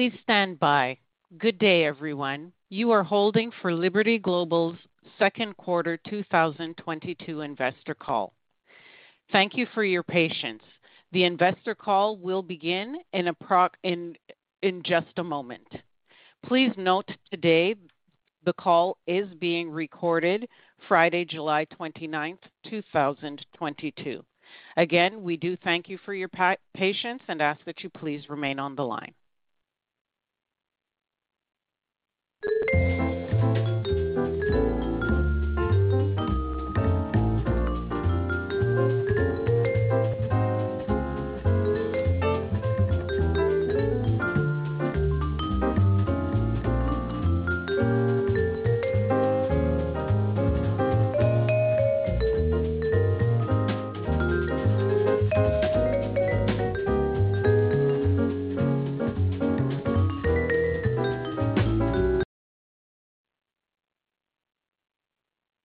Please stand by. Good day, everyone. You are holding for Liberty Global's second quarter 2022 investor call. Thank you for your patience. The investor call will begin in just a moment. Please note today the call is being recorded, Friday, July 29, 2022. Again, we do thank you for your patience and ask that you please remain on the line.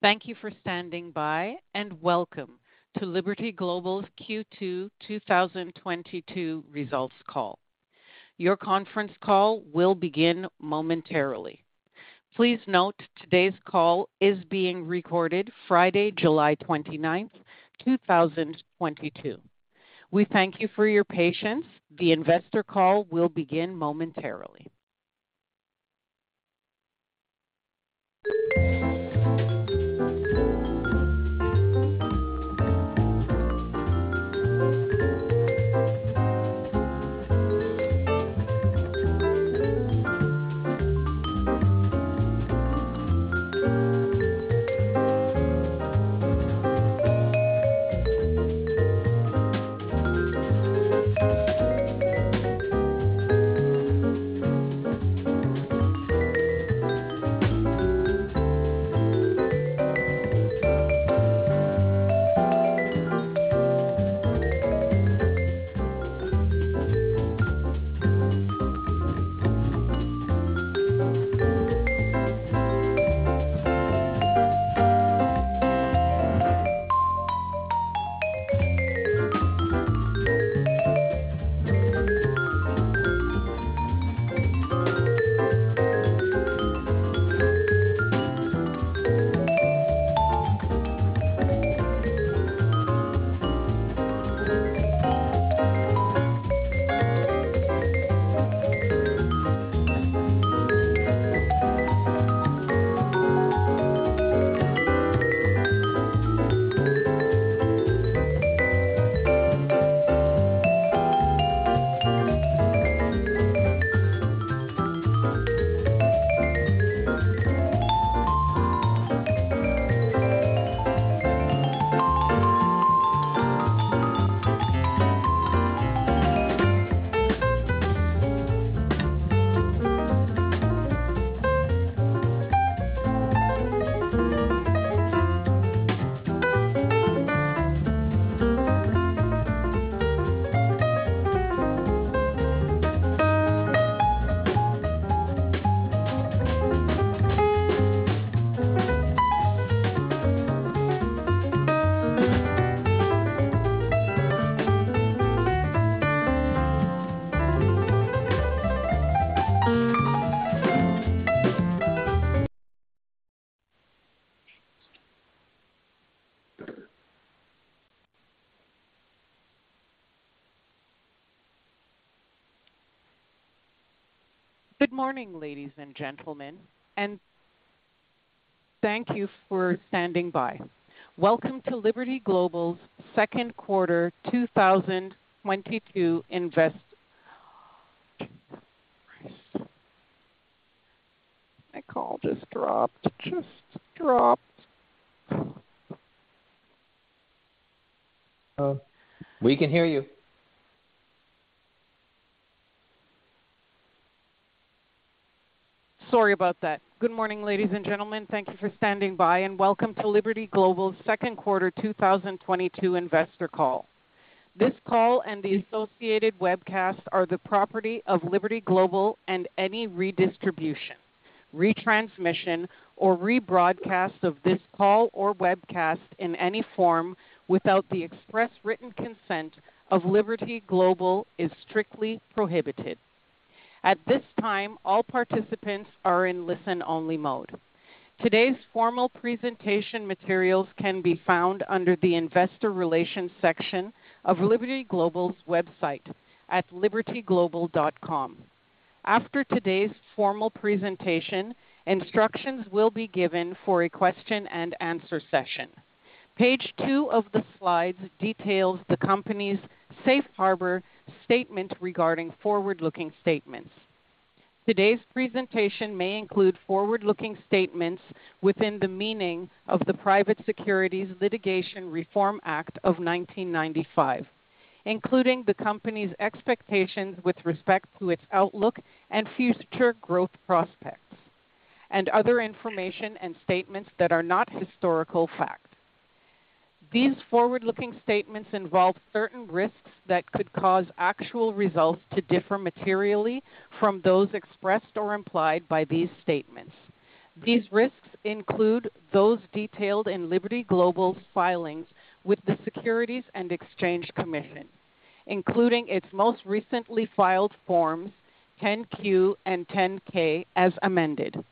Thank you for standing by, and welcome to Liberty Global's Q2 2022 results call. Your conference call will begin momentarily. Please note today's call is being recorded, Friday, July 29, 2022. We thank you for your patience. The investor call will begin momentarily. Good morning, ladies and gentlemen, and thank you for standing by. Welcome to Liberty Global's second quarter 2022 investor call. Christ. My call just dropped. We can hear you. Sorry about that. Good morning, ladies and gentlemen. Thank you for standing by, and welcome to Liberty Global's second quarter 2022 investor call. This call and the associated webcast are the property of Liberty Global, and any redistribution, retransmission, or rebroadcast of this call or webcast in any form without the express written consent of Liberty Global is strictly prohibited. At this time, all participants are in listen-only mode. Today's formal presentation materials can be found under the investor relations section of Liberty Global's website at libertyglobal.com. After today's formal presentation, instructions will be given for a question and answer session. Page two of the slides details the company's safe harbor statement regarding forward-looking statements. Today's presentation may include forward-looking statements within the meaning of the Private Securities Litigation Reform Act of 1995, including the company's expectations with respect to its outlook and future growth prospects and other information and statements that are not historical fact. These forward-looking statements involve certain risks that could cause actual results to differ materially from those expressed or implied by these statements. These risks include those detailed in Liberty Global's filings with the Securities and Exchange Commission, including its most recently filed Forms 10-Q and 10-K, as amended.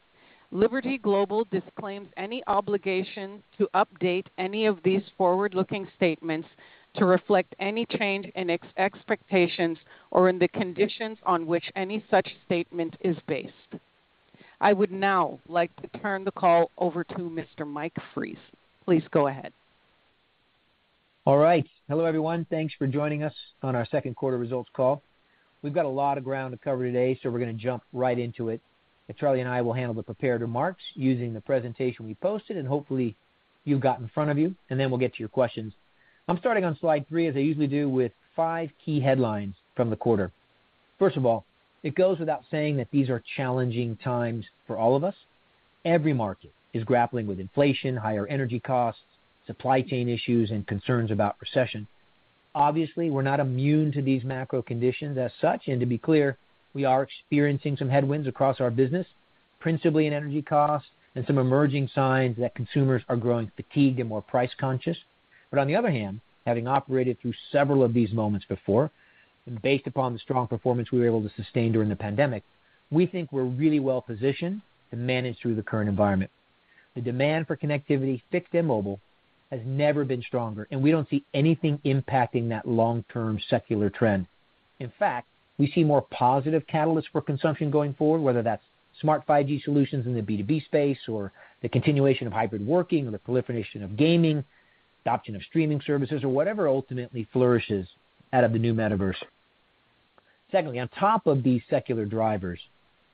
Liberty Global disclaims any obligation to update any of these forward-looking statements to reflect any change in expectations or in the conditions on which any such statement is based. I would now like to turn the call over to Mr. Mike Fries. Please go ahead. All right. Hello, everyone. Thanks for joining us on our second quarter results call. We've got a lot of ground to cover today, so we're gonna jump right into it. Charlie and I will handle the prepared remarks using the presentation we posted, and hopefully you've got in front of you, and then we'll get to your questions. I'm starting on slide three, as I usually do, with five key headlines from the quarter. First of all, it goes without saying that these are challenging times for all of us. Every market is grappling with inflation, higher energy costs, supply chain issues, and concerns about recession. Obviously, we're not immune to these macro conditions as such, and to be clear, we are experiencing some headwinds across our business, principally in energy costs and some emerging signs that consumers are growing fatigued and more price conscious. On the other hand, having operated through several of these moments before and based upon the strong performance we were able to sustain during the pandemic, we think we're really well positioned to manage through the current environment. The demand for connectivity fixed and mobile has never been stronger, and we don't see anything impacting that long-term secular trend. In fact, we see more positive catalysts for consumption going forward, whether that's smart 5G solutions in the B2B space or the continuation of hybrid working or the proliferation of gaming, adoption of streaming services or whatever ultimately flourishes out of the new metaverse. Secondly, on top of these secular drivers,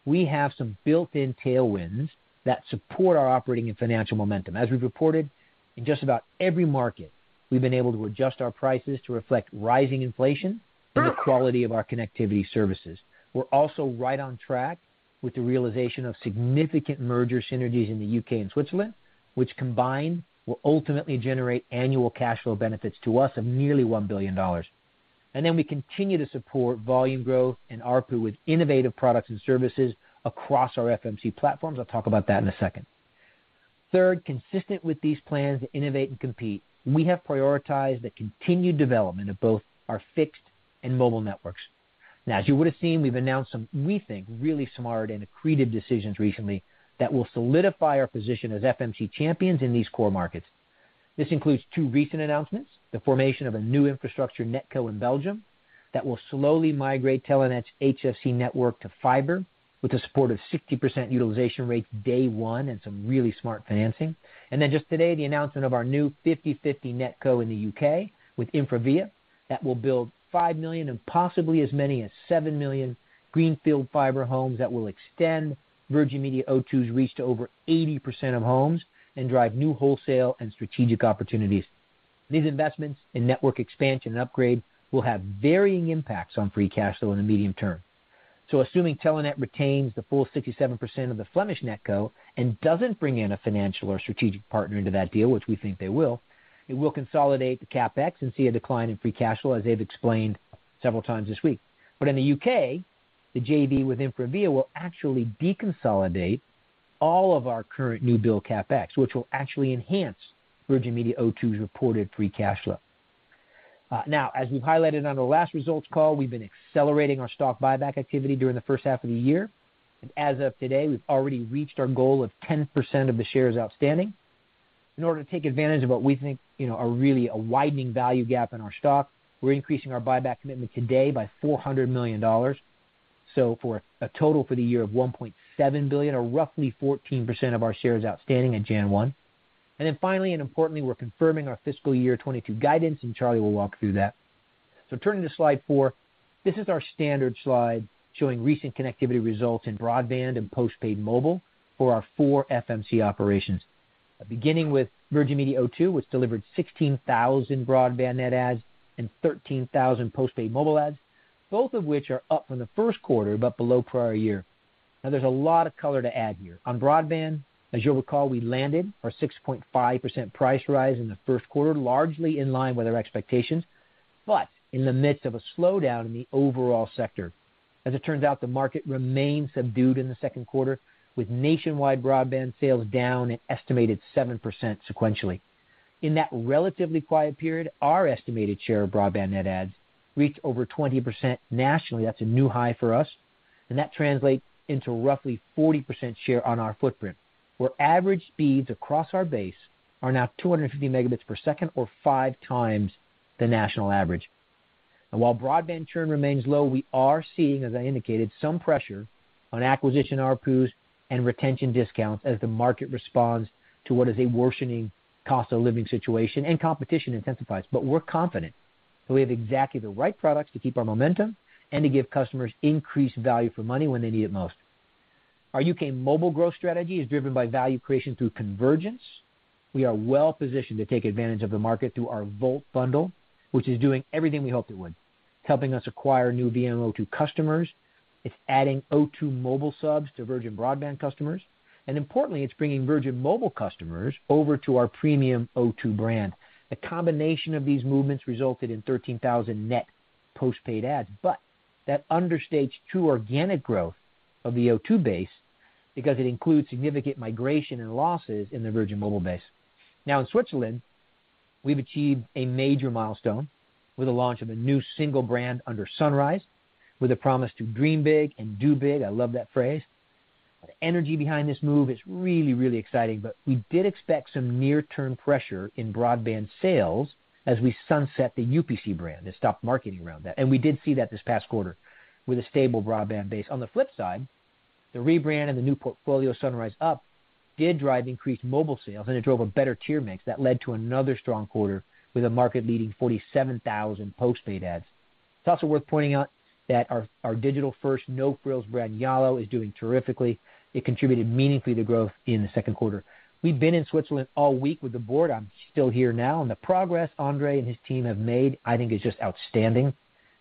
we have some built-in tailwinds that support our operating and financial momentum. As we've reported, in just about every market, we've been able to adjust our prices to reflect rising inflation and the quality of our connectivity services. We're also right on track with the realization of significant merger synergies in the U.K. and Switzerland, which combined will ultimately generate annual cash flow benefits to us of nearly $1 billion. We continue to support volume growth and ARPU with innovative products and services across our FMC platforms. I'll talk about that in a second. Third, consistent with these plans to innovate and compete, we have prioritized the continued development of both our fixed and mobile networks. Now as you would have seen, we've announced some, we think, really smart and accretive decisions recently that will solidify our position as FMC champions in these core markets. This includes two recent announcements, the formation of a new infrastructure, NetCo, in Belgium that will slowly migrate Telenet's HFC network to fiber with the support of 60% utilization rates day one and some really smart financing. Just today, the announcement of our new 50/50 NetCo in the U.K. with InfraVia that will build 5 million and possibly as many as 7 million greenfield fiber homes that will extend Virgin Media O2's reach to over 80% of homes and drive new wholesale and strategic opportunities. These investments in network expansion and upgrade will have varying impacts on free cash flow in the medium term. Assuming Telenet retains the full 67% of the Flemish NetCo and doesn't bring in a financial or strategic partner into that deal, which we think they will, it will consolidate the CapEx and see a decline in free cash flow, as they've explained several times this week. In the U.K., the JV with InfraVia will actually deconsolidate all of our current new build CapEx, which will actually enhance Virgin Media O2's reported free cash flow. Now, as we've highlighted on our last results call, we've been accelerating our stock buyback activity during the first half of the year. As of today, we've already reached our goal of 10% of the shares outstanding. In order to take advantage of what we think, you know, are really a widening value gap in our stock, we're increasing our buyback commitment today by $400 million. For a total for the year of $1.7 billion or roughly 14% of our shares outstanding at January 1. Then finally and importantly, we're confirming our fiscal year 2022 guidance, and Charlie will walk through that. Turning to slide four. This is our standard slide showing recent connectivity results in broadband and postpaid mobile for our four FMC operations. Beginning with Virgin Media O2, which delivered 16,000 broadband net adds and 13,000 postpaid mobile adds, both of which are up from the first quarter but below prior year. Now there's a lot of color to add here. On broadband, as you'll recall, we landed our 6.5 price rise in the first quarter, largely in line with our expectations, but in the midst of a slowdown in the overall sector. As it turns out, the market remained subdued in the second quarter, with nationwide broadband sales down an estimated 7% sequentially. In that relatively quiet period, our estimated share of broadband net adds reached over 20% nationally. That's a new high for us, and that translates into roughly 40% share on our footprint, where average speeds across our base are now 250 Mbps or five times the national average. While broadband churn remains low, we are seeing, as I indicated, some pressure on acquisition ARPUs and retention discounts as the market responds to what is a worsening cost of living situation and competition intensifies. We're confident that we have exactly the right products to keep our momentum and to give customers increased value for money when they need it most. Our U.K. mobile growth strategy is driven by value creation through convergence. We are well positioned to take advantage of the market through our Volt bundle, which is doing everything we hoped it would. It's helping us acquire new Virgin Media O2 customers. It's adding O2 mobile subs to Virgin Broadband customers, and importantly, it's bringing Virgin Mobile customers over to our premium O2 brand. The combination of these movements resulted in 13,000 net postpaid adds, but that understates true organic growth of the O2 base because it includes significant migration and losses in the Virgin Mobile base. Now, in Switzerland, we've achieved a major milestone with the launch of a new single brand under Sunrise with a promise to dream big and do big. I love that phrase. The energy behind this move is really, really exciting, but we did expect some near-term pressure in broadband sales as we sunset the UPC brand and stop marketing around that. We did see that this past quarter with a stable broadband base. On the flip side, the rebrand and the new portfolio Sunrise Up did drive increased mobile sales, and it drove a better tier mix that led to another strong quarter with a market-leading 47,000 postpaid adds. It's also worth pointing out that our digital-first, no-frills brand, Yallo, is doing terrifically. It contributed meaningfully to growth in the second quarter. We've been in Switzerland all week with the board. I'm still here now, and the progress André and his team have made, I think is just outstanding.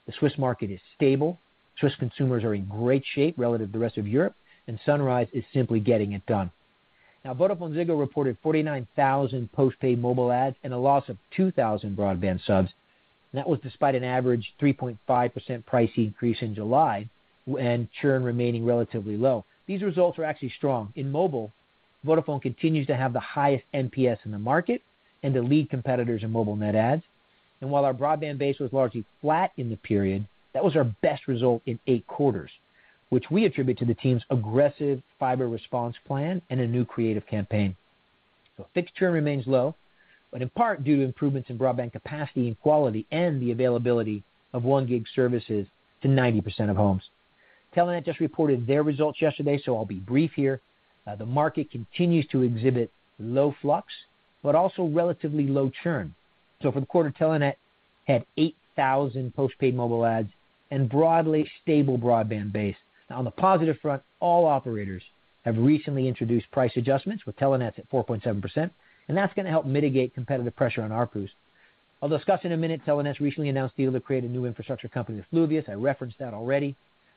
The Swiss market is stable. Swiss consumers are in great shape relative to the rest of Europe, and Sunrise is simply getting it done. Now, VodafoneZiggo reported 49,000 postpaid mobile adds and a loss of 2,000 broadband subs. That was despite an average 3.5% price increase in July and churn remaining relatively low. These results are actually strong. In mobile, Vodafone continues to have the highest NPS in the market and to lead competitors in mobile net adds. While our broadband base was largely flat in the period, that was our best result in eight quarters, which we attribute to the team's aggressive fiber response plan and a new creative campaign. Fixed churn remains low, but in part due to improvements in broadband capacity and quality and the availability of 1 gig services to 90% of homes. Telenet just reported their results yesterday, so I'll be brief here. The market continues to exhibit low flux but also relatively low churn. For the quarter, Telenet had 8,000 postpaid mobile adds and broadly stable broadband base. Now, on the positive front, all operators have recently introduced price adjustments, with Telenet's at 4.7%, and that's going to help mitigate competitive pressure on ARPUs. I'll discuss in a minute. Telenet recently announced a deal to create a new infrastructure company with Fluvius. I referenced that already.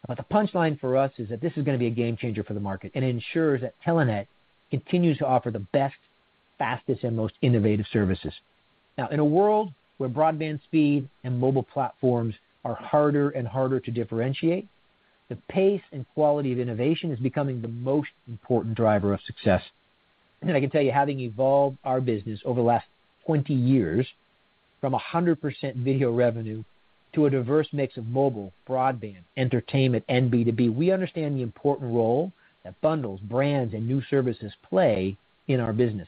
The punchline for us is that this is going to be a game changer for the market and ensures that Telenet continues to offer the best, fastest, and most innovative services. Now, in a world where broadband speed and mobile platforms are harder and harder to differentiate, the pace and quality of innovation is becoming the most important driver of success. I can tell you, having evolved our business over the last 20 years from 100% video revenue to a diverse mix of mobile, broadband, entertainment, and B2B, we understand the important role that bundles, brands, and new services play in our business.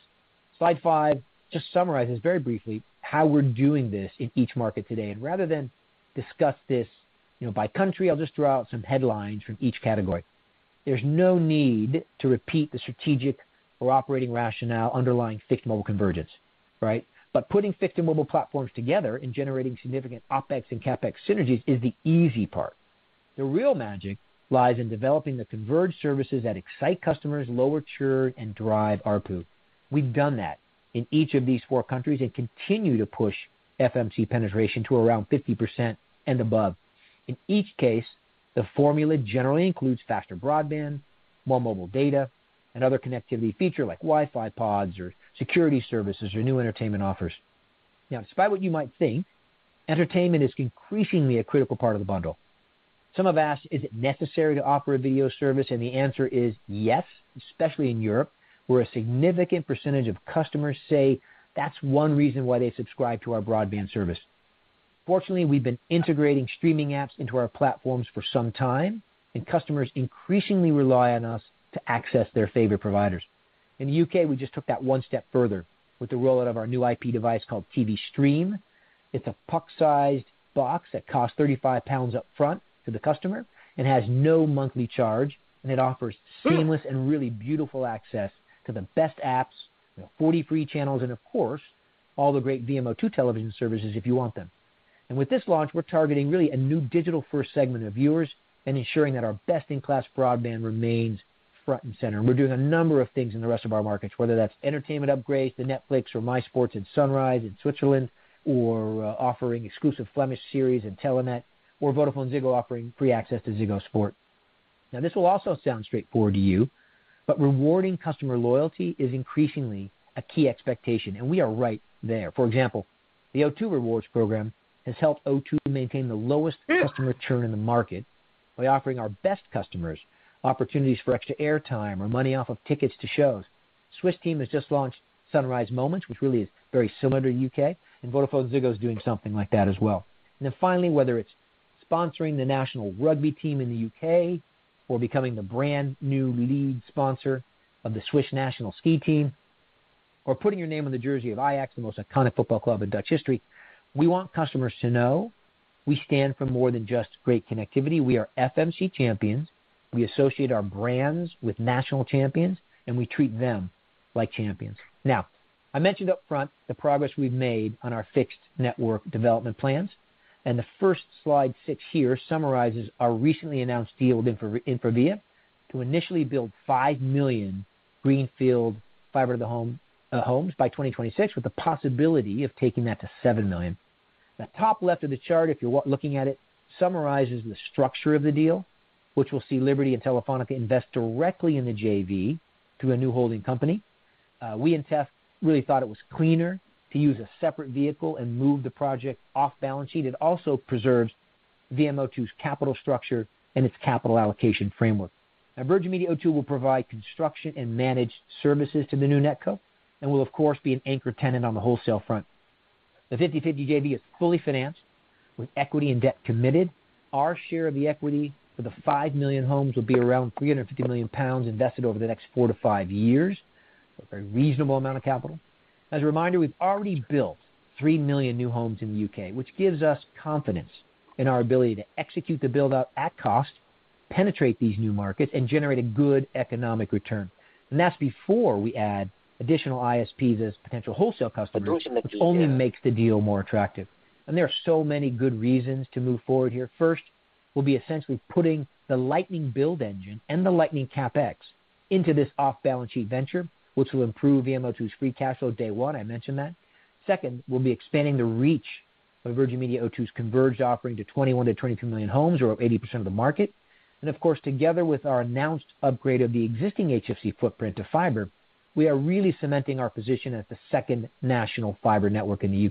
Slide five just summarizes very briefly how we're doing this in each market today. Rather than discuss this, you know, by country, I'll just throw out some headlines from each category. There's no need to repeat the strategic or operating rationale underlying Fixed-Mobile Convergence, right? Putting fixed and mobile platforms together and generating significant OpEx and CapEx synergies is the easy part. The real magic lies in developing the converged services that excite customers, lower churn, and drive ARPU. We've done that in each of these four countries and continue to push FMC penetration to around 50% and above. In each case, the formula generally includes faster broadband, more mobile data, another connectivity feature like WiFi Pods or security services or new entertainment offers. Now, despite what you might think, entertainment is increasingly a critical part of the bundle. Some have asked, is it necessary to offer a video service? The answer is yes, especially in Europe, where a significant percentage of customers say that's one reason why they subscribe to our broadband service. Fortunately, we've been integrating streaming apps into our platforms for some time, and customers increasingly rely on us to access their favorite providers. In the U.K., we just took that one step further with the rollout of our new IP device called TV Stream. It's a puck-sized box that costs 35 pounds up front to the customer and has no monthly charge, and it offers seamless and really beautiful access to the best apps, you know, 40 free channels and of course, all the great Virgin Media O2 television services if you want them. With this launch, we're targeting really a new digital-first segment of viewers and ensuring that our best-in-class broadband remains front and center. We're doing a number of things in the rest of our markets, whether that's entertainment upgrades to Netflix or MySports at Sunrise in Switzerland or, offering exclusive Flemish series in Telenet or VodafoneZiggo offering free access to Ziggo Sport. Now, this will also sound straightforward to you, but rewarding customer loyalty is increasingly a key expectation, and we are right there. For example, the O2 Rewards program has helped O2 maintain the lowest customer churn in the market by offering our best customers opportunities for extra airtime or money off of tickets to shows. Swiss team has just launched Sunrise Moments, which really is very similar to U.K., and VodafoneZiggo is doing something like that as well. Finally, whether it's sponsoring the national rugby team in the U.K. or becoming the brand-new lead sponsor of the Switzerland national alpine ski team or putting your name on the jersey of Ajax, the most iconic football club in Dutch history, we want customers to know we stand for more than just great connectivity. We are FMC champions. We associate our brands with national champions, and we treat them like champions. Now, I mentioned up front the progress we've made on our fixed network development plans, and the first slide six here summarizes our recently announced deal with InfraVia to initially build 5 million greenfield fiber to the home homes by 2026, with the possibility of taking that to 7 million. The top left of the chart, if you're looking at it, summarizes the structure of the deal, which will see Liberty and Telefónica invest directly in the JV through a new holding company. We and TEF really thought it was cleaner to use a separate vehicle and move the project off balance sheet. It also preserves Virgin Media O2's capital structure and its capital allocation framework. Now Virgin Media O2 will provide construction and managed services to the new NetCo and will of course be an anchor tenant on the wholesale front. The 50-50 JV is fully financed with equity and debt committed. Our share of the equity for the 5 million homes will be around 350 million pounds invested over the next 4-5 years. A very reasonable amount of capital. As a reminder, we've already built 3 million new homes in the U.K., which gives us confidence in our ability to execute the build-out at cost, penetrate these new markets and generate a good economic return. That's before we add additional ISPs as potential wholesale customers, which only makes the deal more attractive. There are so many good reasons to move forward here. First, we'll be essentially putting the lightning build engine and the lightning CapEx into this off-balance sheet venture, which will improve Virgin Media O2's free cash flow day one, I mentioned that. Second, we'll be expanding the reach of Virgin Media O2's converged offering to 21-22 million homes or 80% of the market. Of course, together with our announced upgrade of the existing HFC footprint to fiber, we are really cementing our position as the second national fiber network in the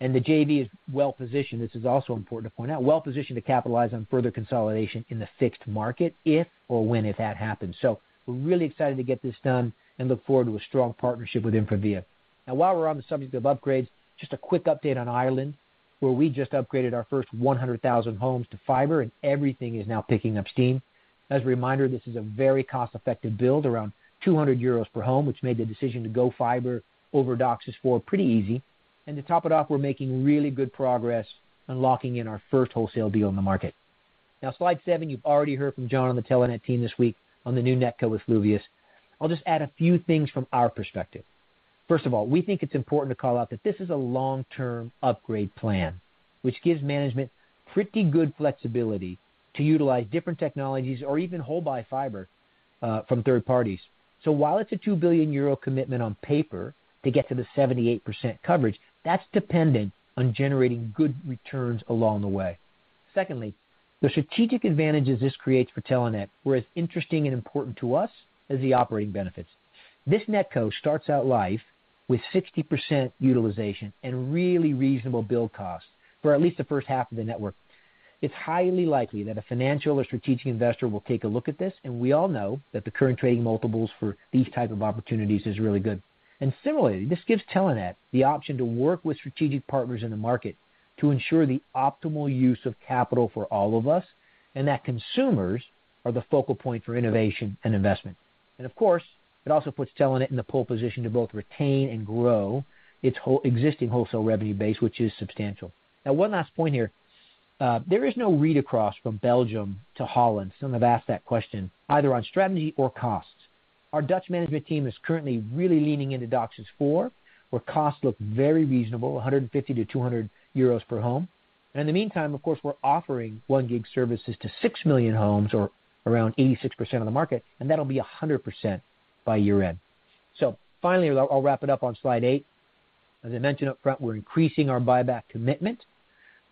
U.K. The JV is well-positioned, this is also important to point out. Well-positioned to capitalize on further consolidation in the fixed market if or when that happens. We're really excited to get this done and look forward to a strong partnership with InfraVia. Now while we're on the subject of upgrades, just a quick update on Ireland, where we just upgraded our first 100,000 homes to fiber and everything is now picking up steam. As a reminder, this is a very cost-effective build, around 200 euros per home, which made the decision to go fiber over DOCSIS 4.0 pretty easy. To top it off, we're making really good progress on locking in our first wholesale deal in the market. Now slide seven, you've already heard from John on the Telenet team this week on the new NetCo with Fluvius. I'll just add a few things from our perspective. First of all, we think it's important to call out that this is a long-term upgrade plan, which gives management pretty good flexibility to utilize different technologies or even wholesale fiber from third parties. While it's a 2 billion euro commitment on paper to get to the 78% coverage, that's dependent on generating good returns along the way. Secondly, the strategic advantages this creates for Telenet were as interesting and important to us as the operating benefits. This NetCo starts out life with 60% utilization and really reasonable build costs for at least the first half of the network. It's highly likely that a financial or strategic investor will take a look at this, and we all know that the current trading multiples for these type of opportunities is really good. Similarly, this gives Telenet the option to work with strategic partners in the market to ensure the optimal use of capital for all of us, and that consumers are the focal point for innovation and investment. Of course, it also puts Telenet in the pole position to both retain and grow its existing wholesale revenue base, which is substantial. Now one last point here. There is no read across from Belgium to Holland, some have asked that question, either on strategy or costs. Our Dutch management team is currently really leaning into DOCSIS 4, where costs look very reasonable, 150-200 euros per home. In the meantime, of course, we're offering 1 gig services to 6 million homes or around 86% of the market, and that'll be 100% by year-end. Finally, I'll wrap it up on slide eight. As I mentioned up front, we're increasing our buyback commitment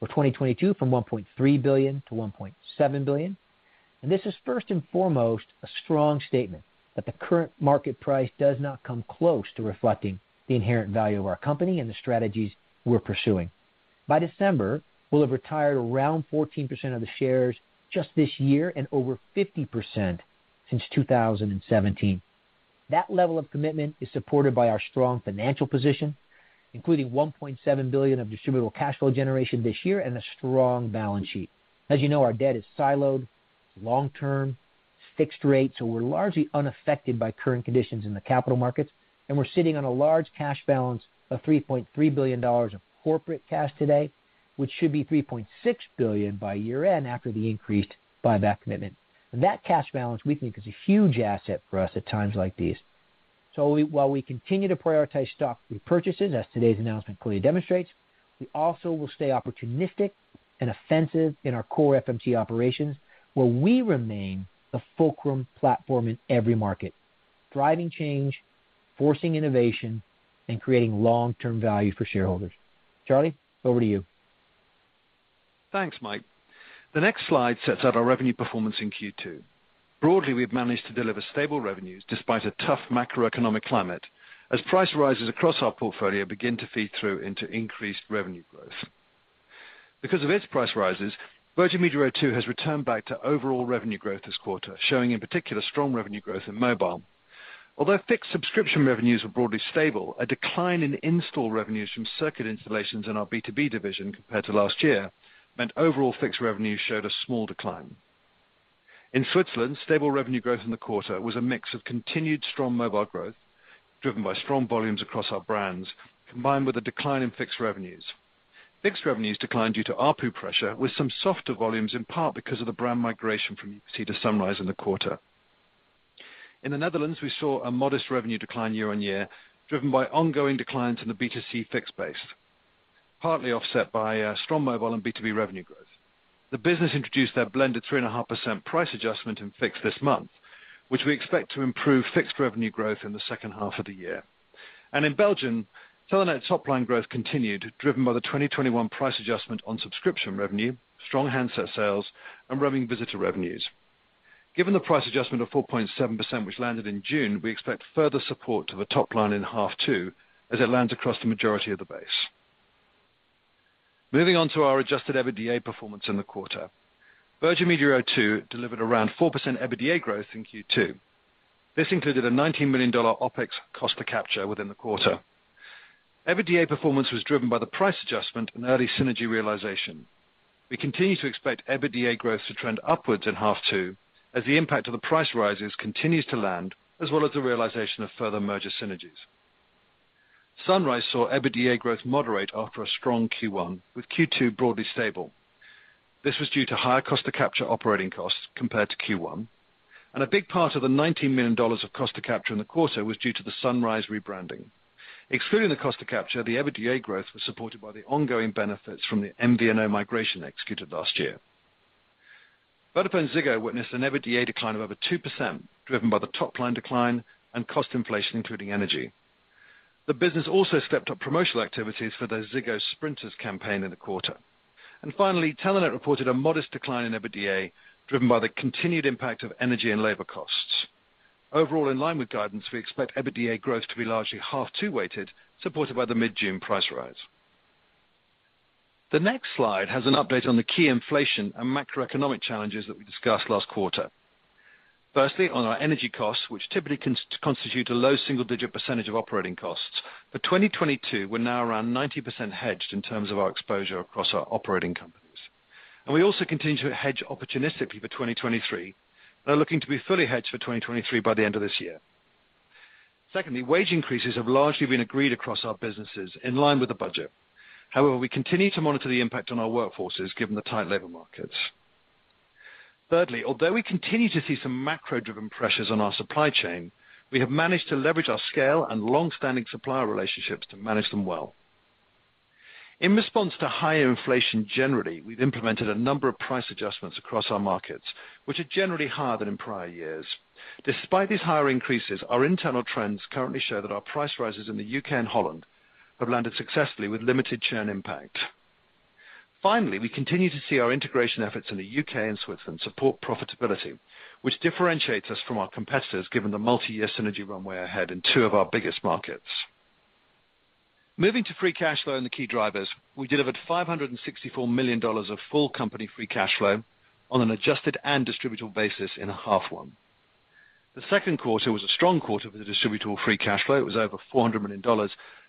for 2022 from $1.3 billion to $1.7 billion. This is first and foremost a strong statement that the current market price does not come close to reflecting the inherent value of our company and the strategies we're pursuing. By December, we'll have retired around 14% of the shares just this year and over 50% since 2017. That level of commitment is supported by our strong financial position, including $1.7 billion of distributable cash flow generation this year and a strong balance sheet. As you know, our debt is siloed, it's long-term, it's fixed rate, so we're largely unaffected by current conditions in the capital markets, and we're sitting on a large cash balance of $3.3 billion of corporate cash today, which should be $3.6 billion by year-end after the increased buyback commitment. That cash balance, we think, is a huge asset for us at times like these. While we continue to prioritize stock repurchases, as today's announcement clearly demonstrates, we also will stay opportunistic and offensive in our core FMC operations, where we remain the fulcrum platform in every market, driving change, forcing innovation, and creating long-term value for shareholders. Charlie, over to you. Thanks, Mike. The next slide sets out our revenue performance in Q2. Broadly, we've managed to deliver stable revenues despite a tough macroeconomic climate as price rises across our portfolio begin to feed through into increased revenue growth. Because of its price rises, Virgin Media O2 has returned back to overall revenue growth this quarter, showing in particular strong revenue growth in mobile. Although fixed subscription revenues were broadly stable, a decline in install revenues from circuit installations in our B2B division compared to last year meant overall fixed revenues showed a small decline. In Switzerland, stable revenue growth in the quarter was a mix of continued strong mobile growth, driven by strong volumes across our brands, combined with a decline in fixed revenues. Fixed revenues declined due to ARPU pressure, with some softer volumes in part because of the brand migration from UPC to Sunrise in the quarter. In the Netherlands, we saw a modest revenue decline year-on-year, driven by ongoing declines in the B2C fixed base, partly offset by strong mobile and B2B revenue growth. The business introduced their blended 3.5% price adjustment in fixed this month, which we expect to improve fixed revenue growth in the second half of the year. In Belgium, Telenet's top line growth continued, driven by the 2021 price adjustment on subscription revenue, strong handset sales, and roaming visitor revenues. Given the price adjustment of 4.7%, which landed in June, we expect further support to the top line in half two as it lands across the majority of the base. Moving on to our adjusted EBITDA performance in the quarter. Virgin Media O2 delivered around 4% EBITDA growth in Q2. This included a $19 million OpEx cost to capture within the quarter. EBITDA performance was driven by the price adjustment and early synergy realization. We continue to expect EBITDA growth to trend upwards in half two as the impact of the price rises continues to land, as well as the realization of further merger synergies. Sunrise saw EBITDA growth moderate after a strong Q1, with Q2 broadly stable. This was due to higher cost to capture operating costs compared to Q1, and a big part of the $19 million of cost to capture in the quarter was due to the Sunrise rebranding. Excluding the cost to capture, the EBITDA growth was supported by the ongoing benefits from the MVNO migration executed last year. VodafoneZiggo witnessed an EBITDA decline of over 2%, driven by the top line decline and cost inflation, including energy. The business also stepped up promotional activities for the Ziggo Sprinters campaign in the quarter. Finally, Telenet reported a modest decline in EBITDA, driven by the continued impact of energy and labor costs. Overall, in line with guidance, we expect EBITDA growth to be largely H2-weighted, supported by the mid-June price rise. The next slide has an update on the key inflation and macroeconomic challenges that we discussed last quarter. Firstly, on our energy costs, which typically constitute a low single-digit percentage of operating costs. For 2022, we're now around 90% hedged in terms of our exposure across our operating companies. We also continue to hedge opportunistically for 2023. We're looking to be fully hedged for 2023 by the end of this year. Secondly, wage increases have largely been agreed across our businesses in line with the budget. However, we continue to monitor the impact on our workforces, given the tight labor markets. Thirdly, although we continue to see some macro-driven pressures on our supply chain, we have managed to leverage our scale and long-standing supplier relationships to manage them well. In response to higher inflation generally, we've implemented a number of price adjustments across our markets, which are generally higher than in prior years. Despite these higher increases, our internal trends currently show that our price rises in the U.K. and Holland have landed successfully with limited churn impact. Finally, we continue to see our integration efforts in the U.K. and Switzerland support profitability, which differentiates us from our competitors given the multi-year synergy runway ahead in two of our biggest markets. Moving to free cash flow and the key drivers, we delivered $564 million of full company free cash flow on an adjusted and distributable basis in half one. The second quarter was a strong quarter for the distributable free cash flow. It was over $400 million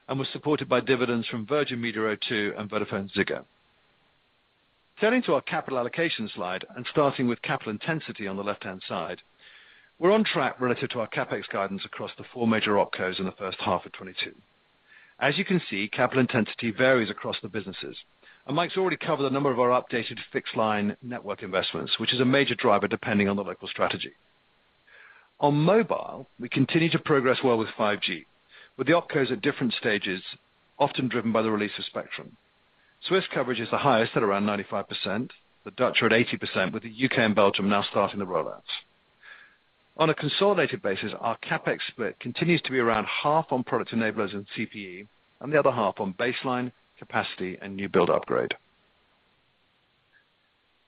and was supported by dividends from Virgin Media O2 and VodafoneZiggo. Turning to our capital allocation slide and starting with capital intensity on the left-hand side, we're on track relative to our CapEx guidance across the four major opcos in the first half of 2022. As you can see, capital intensity varies across the businesses, and Mike's already covered a number of our updated fixed line network investments, which is a major driver depending on the local strategy. On mobile, we continue to progress well with 5G, with the opcos at different stages, often driven by the release of spectrum. Swiss coverage is the highest at around 95%, the Dutch are at 80%, with the U.K. and Belgium now starting the rollouts. On a consolidated basis, our CapEx split continues to be around half on product enablers and CPE, and the other half on baseline capacity and new build upgrade.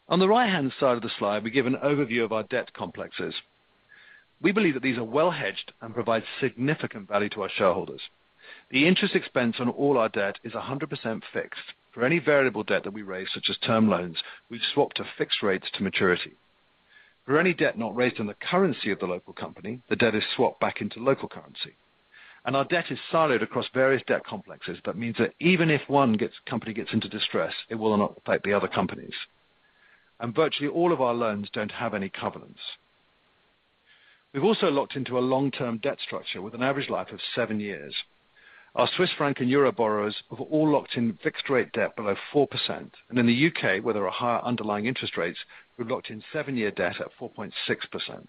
On the right-hand side of the slide, we give an overview of our debt complexes. We believe that these are well hedged and provide significant value to our shareholders. The interest expense on all our debt is 100% fixed. For any variable debt that we raise, such as term loans, we swap to fixed rates to maturity. For any debt not raised in the currency of the local company, the debt is swapped back into local currency. Our debt is siloed across various debt complexes, that means that even if one company gets into distress, it will not affect the other companies. Virtually all of our loans don't have any covenants. We've also locked into a long-term debt structure with an average life of seven years. Our Swiss franc and euro borrowers have all locked in fixed-rate debt below 4%. In the U.K., where there are higher underlying interest rates, we've locked in seven-year debt at 4.6%.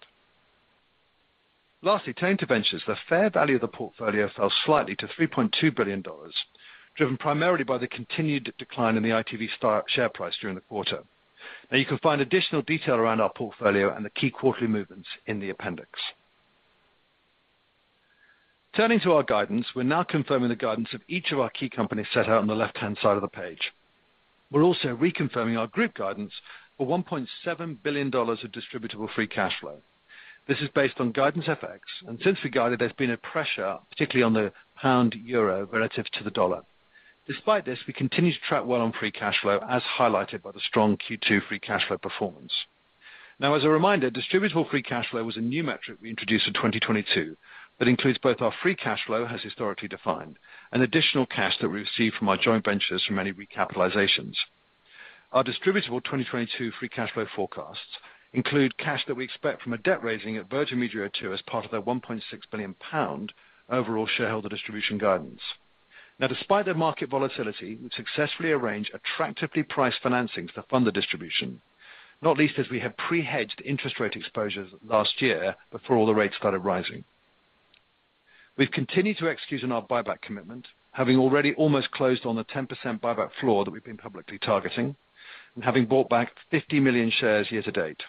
Lastly, turning to ventures. The fair value of the portfolio fell slightly to $3.2 billion, driven primarily by the continued decline in the ITV share price during the quarter. Now you can find additional detail around our portfolio and the key quarterly movements in the appendix. Turning to our guidance, we're now confirming the guidance of each of our key companies set out on the left-hand side of the page. We're also reconfirming our group guidance for $1.7 billion of distributable free cash flow. This is based on guidance FX, and since we guided, there's been a pressure, particularly on the pound-euro relative to the dollar. Despite this, we continue to track well on free cash flow, as highlighted by the strong Q2 free cash flow performance. Now as a reminder, distributable free cash flow was a new metric we introduced in 2022. That includes both our free cash flow as historically defined and additional cash that we received from our joint ventures from any recapitalizations. Our distributable 2022 free cash flow forecasts include cash that we expect from a debt raising at Virgin Media O2 as part of their 1.6 billion pound overall shareholder distribution guidance. Now despite their market volatility, we successfully arranged attractively priced financings to fund the distribution, not least as we have pre-hedged interest rate exposures last year before all the rates started rising. We've continued to execute on our buyback commitment, having already almost closed on the 10% buyback floor that we've been publicly targeting and having bought back 50 million shares year to date.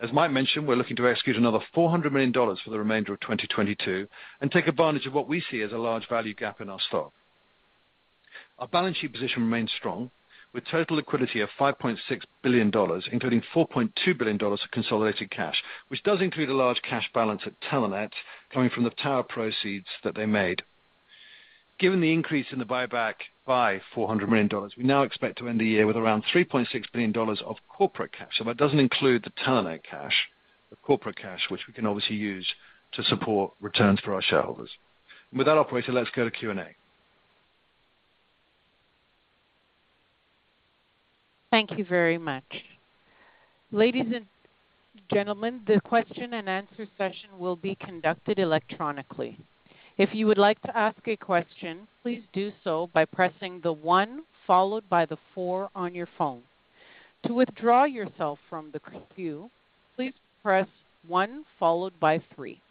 As Mike mentioned, we're looking to execute another $400 million for the remainder of 2022 and take advantage of what we see as a large value gap in our stock. Our balance sheet position remains strong, with total liquidity of $5.6 billion, including $4.2 billion of consolidated cash, which does include a large cash balance at Telenet coming from the tower proceeds that they made. Given the increase in the buyback by $400 million, we now expect to end the year with around $3.6 billion of corporate cash. So that doesn't include the Telenet cash, the corporate cash, which we can obviously use to support returns for our shareholders. With that operator, let's go to Q&A. Thank you very much. Ladies and gentlemen, the question and answer session will be conducted electronically. If you would like to ask a question, please do so by pressing the one followed by the four on your phone. To withdraw yourself from the queue, please press one followed by three.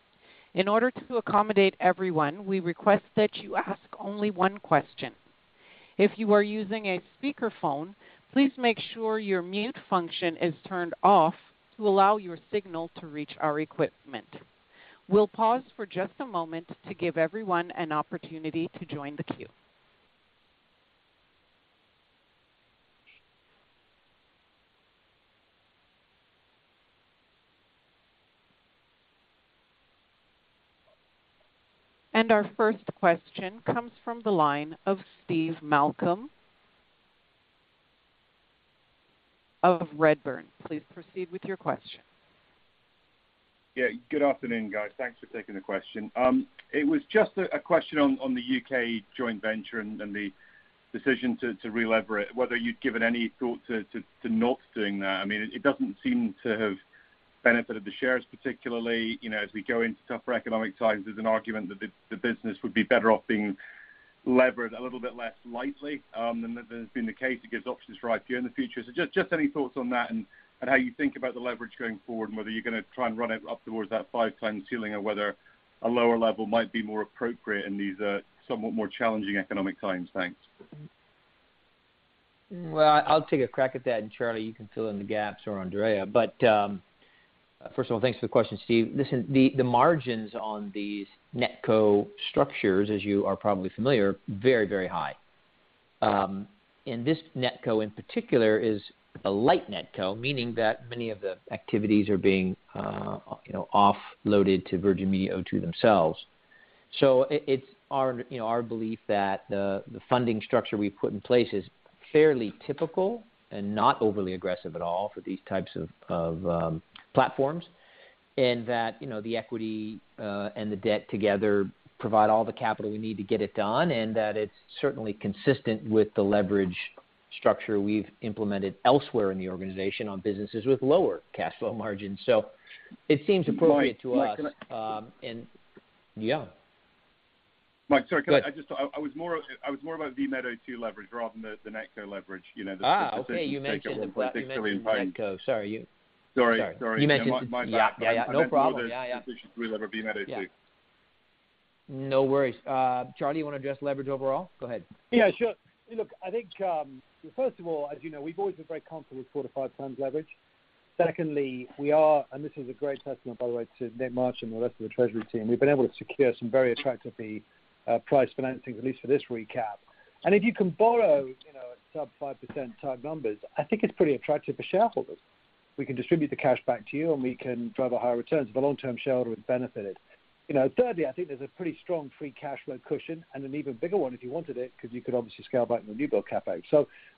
In order to accommodate everyone, we request that you ask only one question. If you are using a speakerphone, please make sure your mute function is turned off to allow your signal to reach our equipment. We'll pause for just a moment to give everyone an opportunity to join the queue. Our first question comes from the line of Steve Malcolm of Redburn. Please proceed with your question. Yeah, good afternoon, guys. Thanks for taking the question. It was just a question on the U.K. joint venture and the decision to relever it, whether you'd given any thought to not doing that. I mean, it doesn't seem to have benefited the shares, particularly, you know, as we go into tougher economic times, there's an argument that the business would be better off being levered a little bit less lightly than has been the case. It gives options for IPO in the future. Just any thoughts on that and how you think about the leverage going forward, and whether you're gonna try and run it up towards that five-times ceiling or whether a lower level might be more appropriate in these somewhat more challenging economic times. Thanks. Well, I'll take a crack at that, and Charlie, you can fill in the gaps or André. First of all, thanks for the question, Steve. Listen, the margins on these NetCo structures, as you are probably familiar, very, very high. This NetCo in particular is a light NetCo, meaning that many of the activities are being you know, offloaded to Virgin Media O2 themselves. It's our you know, our belief that the funding structure we've put in place is fairly typical and not overly aggressive at all for these types of platforms. That you know, the equity and the debt together provide all the capital we need to get it done, and that it's certainly consistent with the leverage structure we've implemented elsewhere in the organization on businesses with lower cash flow margins. It seems appropriate to us. Mike, can I- Yeah. Mike, sorry. Go ahead. I was more about Virgin Media O2 leverage rather than the NetCo leverage. You know, the Okay. You mentioned NetCo. Sorry. Sorry. My, my- Yeah. Yeah, yeah. No problem. decision to relever Virgin Media O2. Yeah. No worries. Charlie, you wanna address leverage overall? Go ahead. Yeah, sure. Look, I think, first of all, as you know, we've always been very comfortable with 4-5x leverage. Secondly, we are, and this is a great testament, by the way, to Nick Marks and the rest of the treasury team. We've been able to secure some very attractively priced financings, at least for this recap. If you can borrow, you know, at sub-5% type numbers, I think it's pretty attractive for shareholders. We can distribute the cash back to you, and we can drive our higher returns. The long-term shareholder would benefit it. You know, thirdly, I think there's a pretty strong free cash flow cushion and an even bigger one if you wanted it because you could obviously scale back the new build CapEx.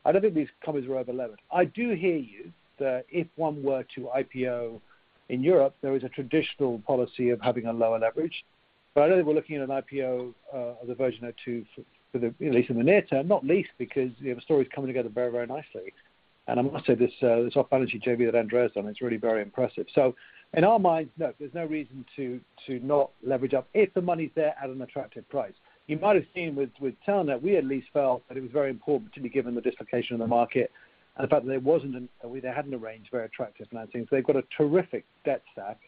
I don't think these companies are over-levered. I do hear you that if one were to IPO in Europe, there is a traditional policy of having a lower leverage. I don't think we're looking at an IPO of the Virgin Media O2, at least in the near term, not least because, you know, the story's coming together very, very nicely. I must say this off-balance-sheet JV that André has done, it's really very impressive. In our minds, no, there's no reason to not leverage up if the money's there at an attractive price. You might have seen with Telenet, we at least felt that it was very important given the dislocation in the market and the fact that we hadn't arranged very attractive financings. They've got a terrific debt stack,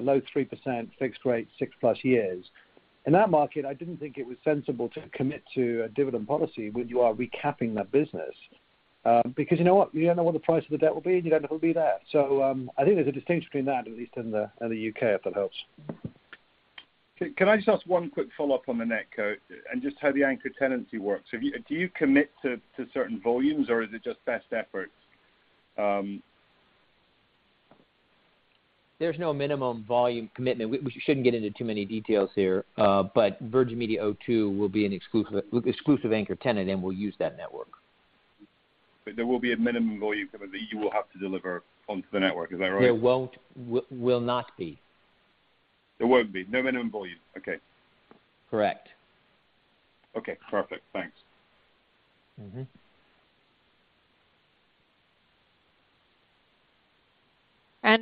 low 3% fixed rate, 6+ years. In that market, I didn't think it was sensible to commit to a dividend policy when you are recapping that business, because you know what? You don't know what the price of the debt will be, and you don't know if it'll be there. So, I think there's a distinction between that, at least in the U.K., if that helps. Can I just ask one quick follow-up on the NetCo and just how the anchor tenancy works? So do you commit to certain volumes, or is it just best efforts? There's no minimum volume commitment. We shouldn't get into too many details here. Virgin Media O2 will be an exclusive anchor tenant, and we'll use that network. There will be a minimum volume commitment that you will have to deliver onto the network. Is that right? There will not be. There won't be. No minimum volume. Okay. Correct. Okay, perfect. Thanks. Mm-hmm.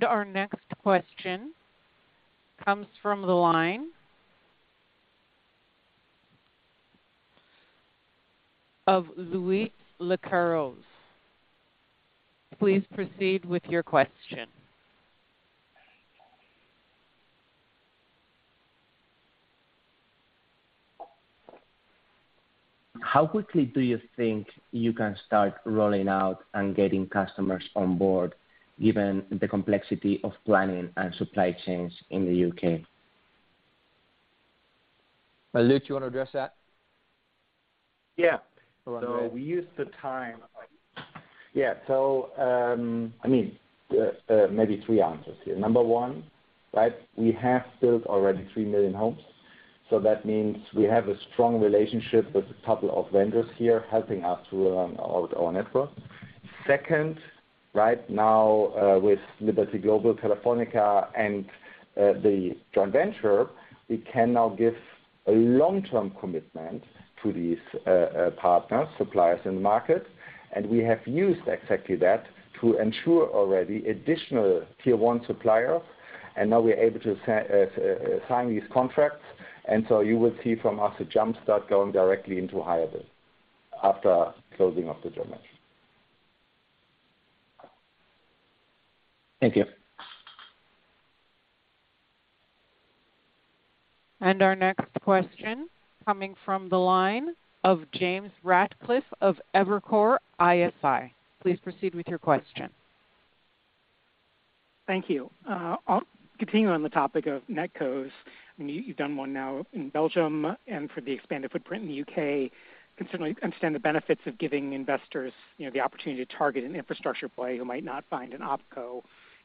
Our next question comes from the line of Luis Lecaros. Please proceed with your question. How quickly do you think you can start rolling out and getting customers on board given the complexity of planning and supply chains in the U.K.? Lutz, you wanna address that? Yeah. We use the time. I mean, maybe three answers here. Number one, right, we have built already 3 million homes, so that means we have a strong relationship with a couple of vendors here helping us to run our own network. Second, right now, with Liberty Global, Telefónica, and the joint venture, we can now give a long-term commitment to these partners, suppliers in the market, and we have used exactly that to ensure already additional tier one suppliers. Now we're able to sign these contracts. You will see from us a jump-start going directly into higher gear after closing of the joint venture. Thank you. Our next question coming from the line of James Ratzer of Evercore ISI. Please proceed with your question. Thank you. I'll continue on the topic of NetCos. I mean, you've done one now in Belgium, and for the expanded footprint in the U.K., can certainly understand the benefits of giving investors, you know, the opportunity to target an infrastructure play who might not find an OpCo, you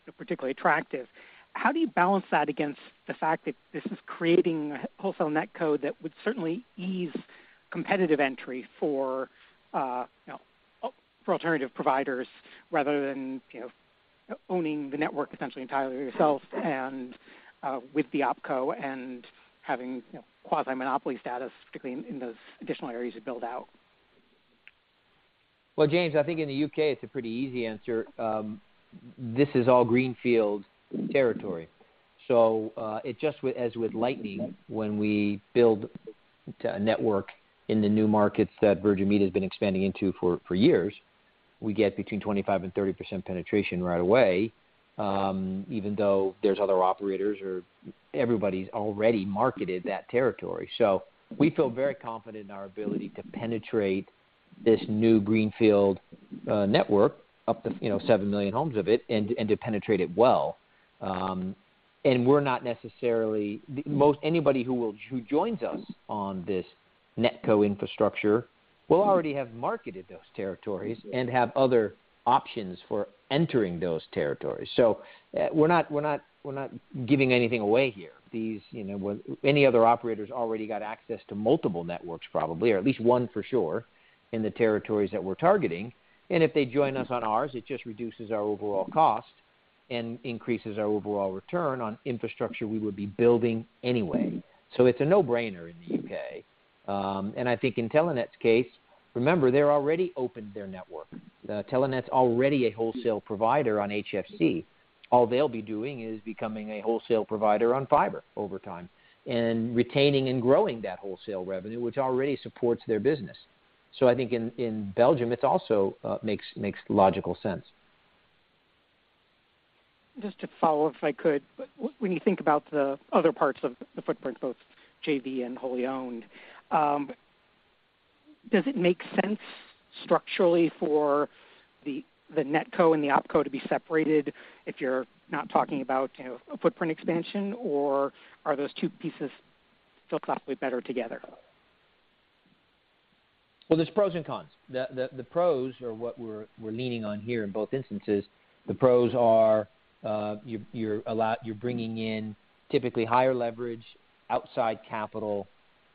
know, particularly attractive. How do you balance that against the fact that this is creating a wholesale NetCo that would certainly ease competitive entry for, you know, for alternative providers rather than, you know, owning the network essentially entirely yourself and, with the OpCo and having, you know, quasi-monopoly status, particularly in those additional areas you build out? Well, James, I think in the U.K. it's a pretty easy answer. This is all greenfield territory. It just was with Lightning, when we build a network in the new markets that Virgin Media has been expanding into for years, we get between 25%-30% penetration right away, even though there's other operators or everybody's already marketed that territory. We feel very confident in our ability to penetrate this new greenfield network up to, you know, 7 million homes of it and to penetrate it well. We're not necessarily... Most anybody who joins us on this NetCo infrastructure will already have marketed those territories and have other options for entering those territories. We're not giving anything away here. You know, any other operators already got access to multiple networks probably or at least one for sure in the territories that we're targeting. If they join us on ours, it just reduces our overall cost and increases our overall return on infrastructure we would be building anyway. It's a no-brainer in the U.K. I think in Telenet's case, remember, they're already opened their network. Telenet's already a wholesale provider on HFC. All they'll be doing is becoming a wholesale provider on fiber over time and retaining and growing that wholesale revenue, which already supports their business. I think in Belgium, it's also makes logical sense. Just to follow up if I could. When you think about the other parts of the footprint, both JV and wholly owned, does it make sense structurally for the NetCo and the OpCo to be separated if you're not talking about, you know, a footprint expansion, or are those two pieces philosophically better together? Well, there's pros and cons. The pros are what we're leaning on here in both instances. The pros are you're bringing in typically higher leverage outside capital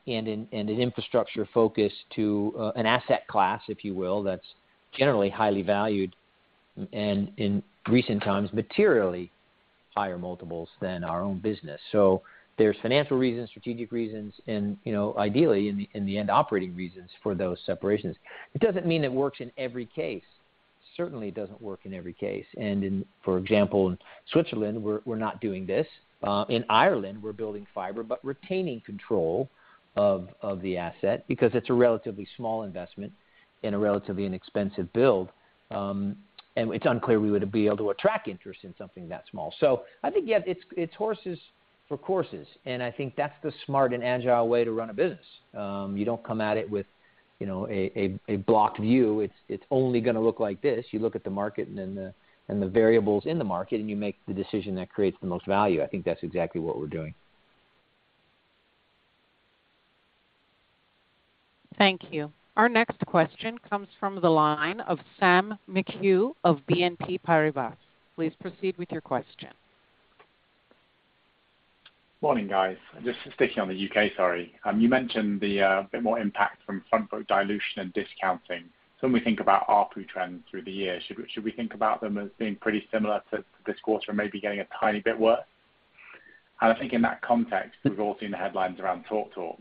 and an infrastructure focus to an asset class, if you will, that's generally highly valued and in recent times, materially higher multiples than our own business. So there's financial reasons, strategic reasons, and, you know, ideally, in the end, operating reasons for those separations. It doesn't mean it works in every case. Certainly it doesn't work in every case. In, for example, in Switzerland, we're not doing this. In Ireland, we're building fiber, but retaining control of the asset because it's a relatively small investment and a relatively inexpensive build. It's unclear we would be able to attract interest in something that small. I think, yeah, it's horses for courses, and I think that's the smart and agile way to run a business. You don't come at it with, you know, a blocked view. It's only gonna look like this. You look at the market and then the variables in the market, and you make the decision that creates the most value. I think that's exactly what we're doing. Thank you. Our next question comes from the line of Sam McHugh of BNP Paribas. Please proceed with your question. Morning, guys. Just sticking on the U.K., sorry. You mentioned a bit more impact from front load dilution and discounting. When we think about ARPU trends through the year, should we think about them as being pretty similar to this quarter and maybe getting a tiny bit worse? I think in that context, we've all seen the headlines around TalkTalk,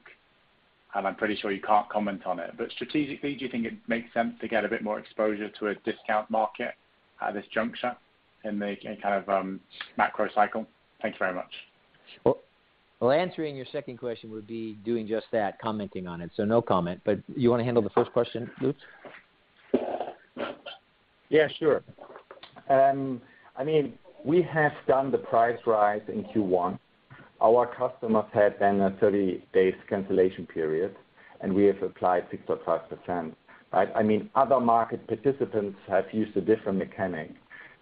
and I'm pretty sure you can't comment on it. Strategically, do you think it makes sense to get a bit more exposure to a discount market at this juncture in the kind of macro cycle? Thank you very much. Well, well, answering your second question would be doing just that, commenting on it. No comment. You wanna handle the first question, Lutz? Yeah, sure. I mean, we have done the price rise in Q1. Our customers had then a 30-day cancellation period, and we have applied 6.5%. Right? I mean, other market participants have used a different mechanic,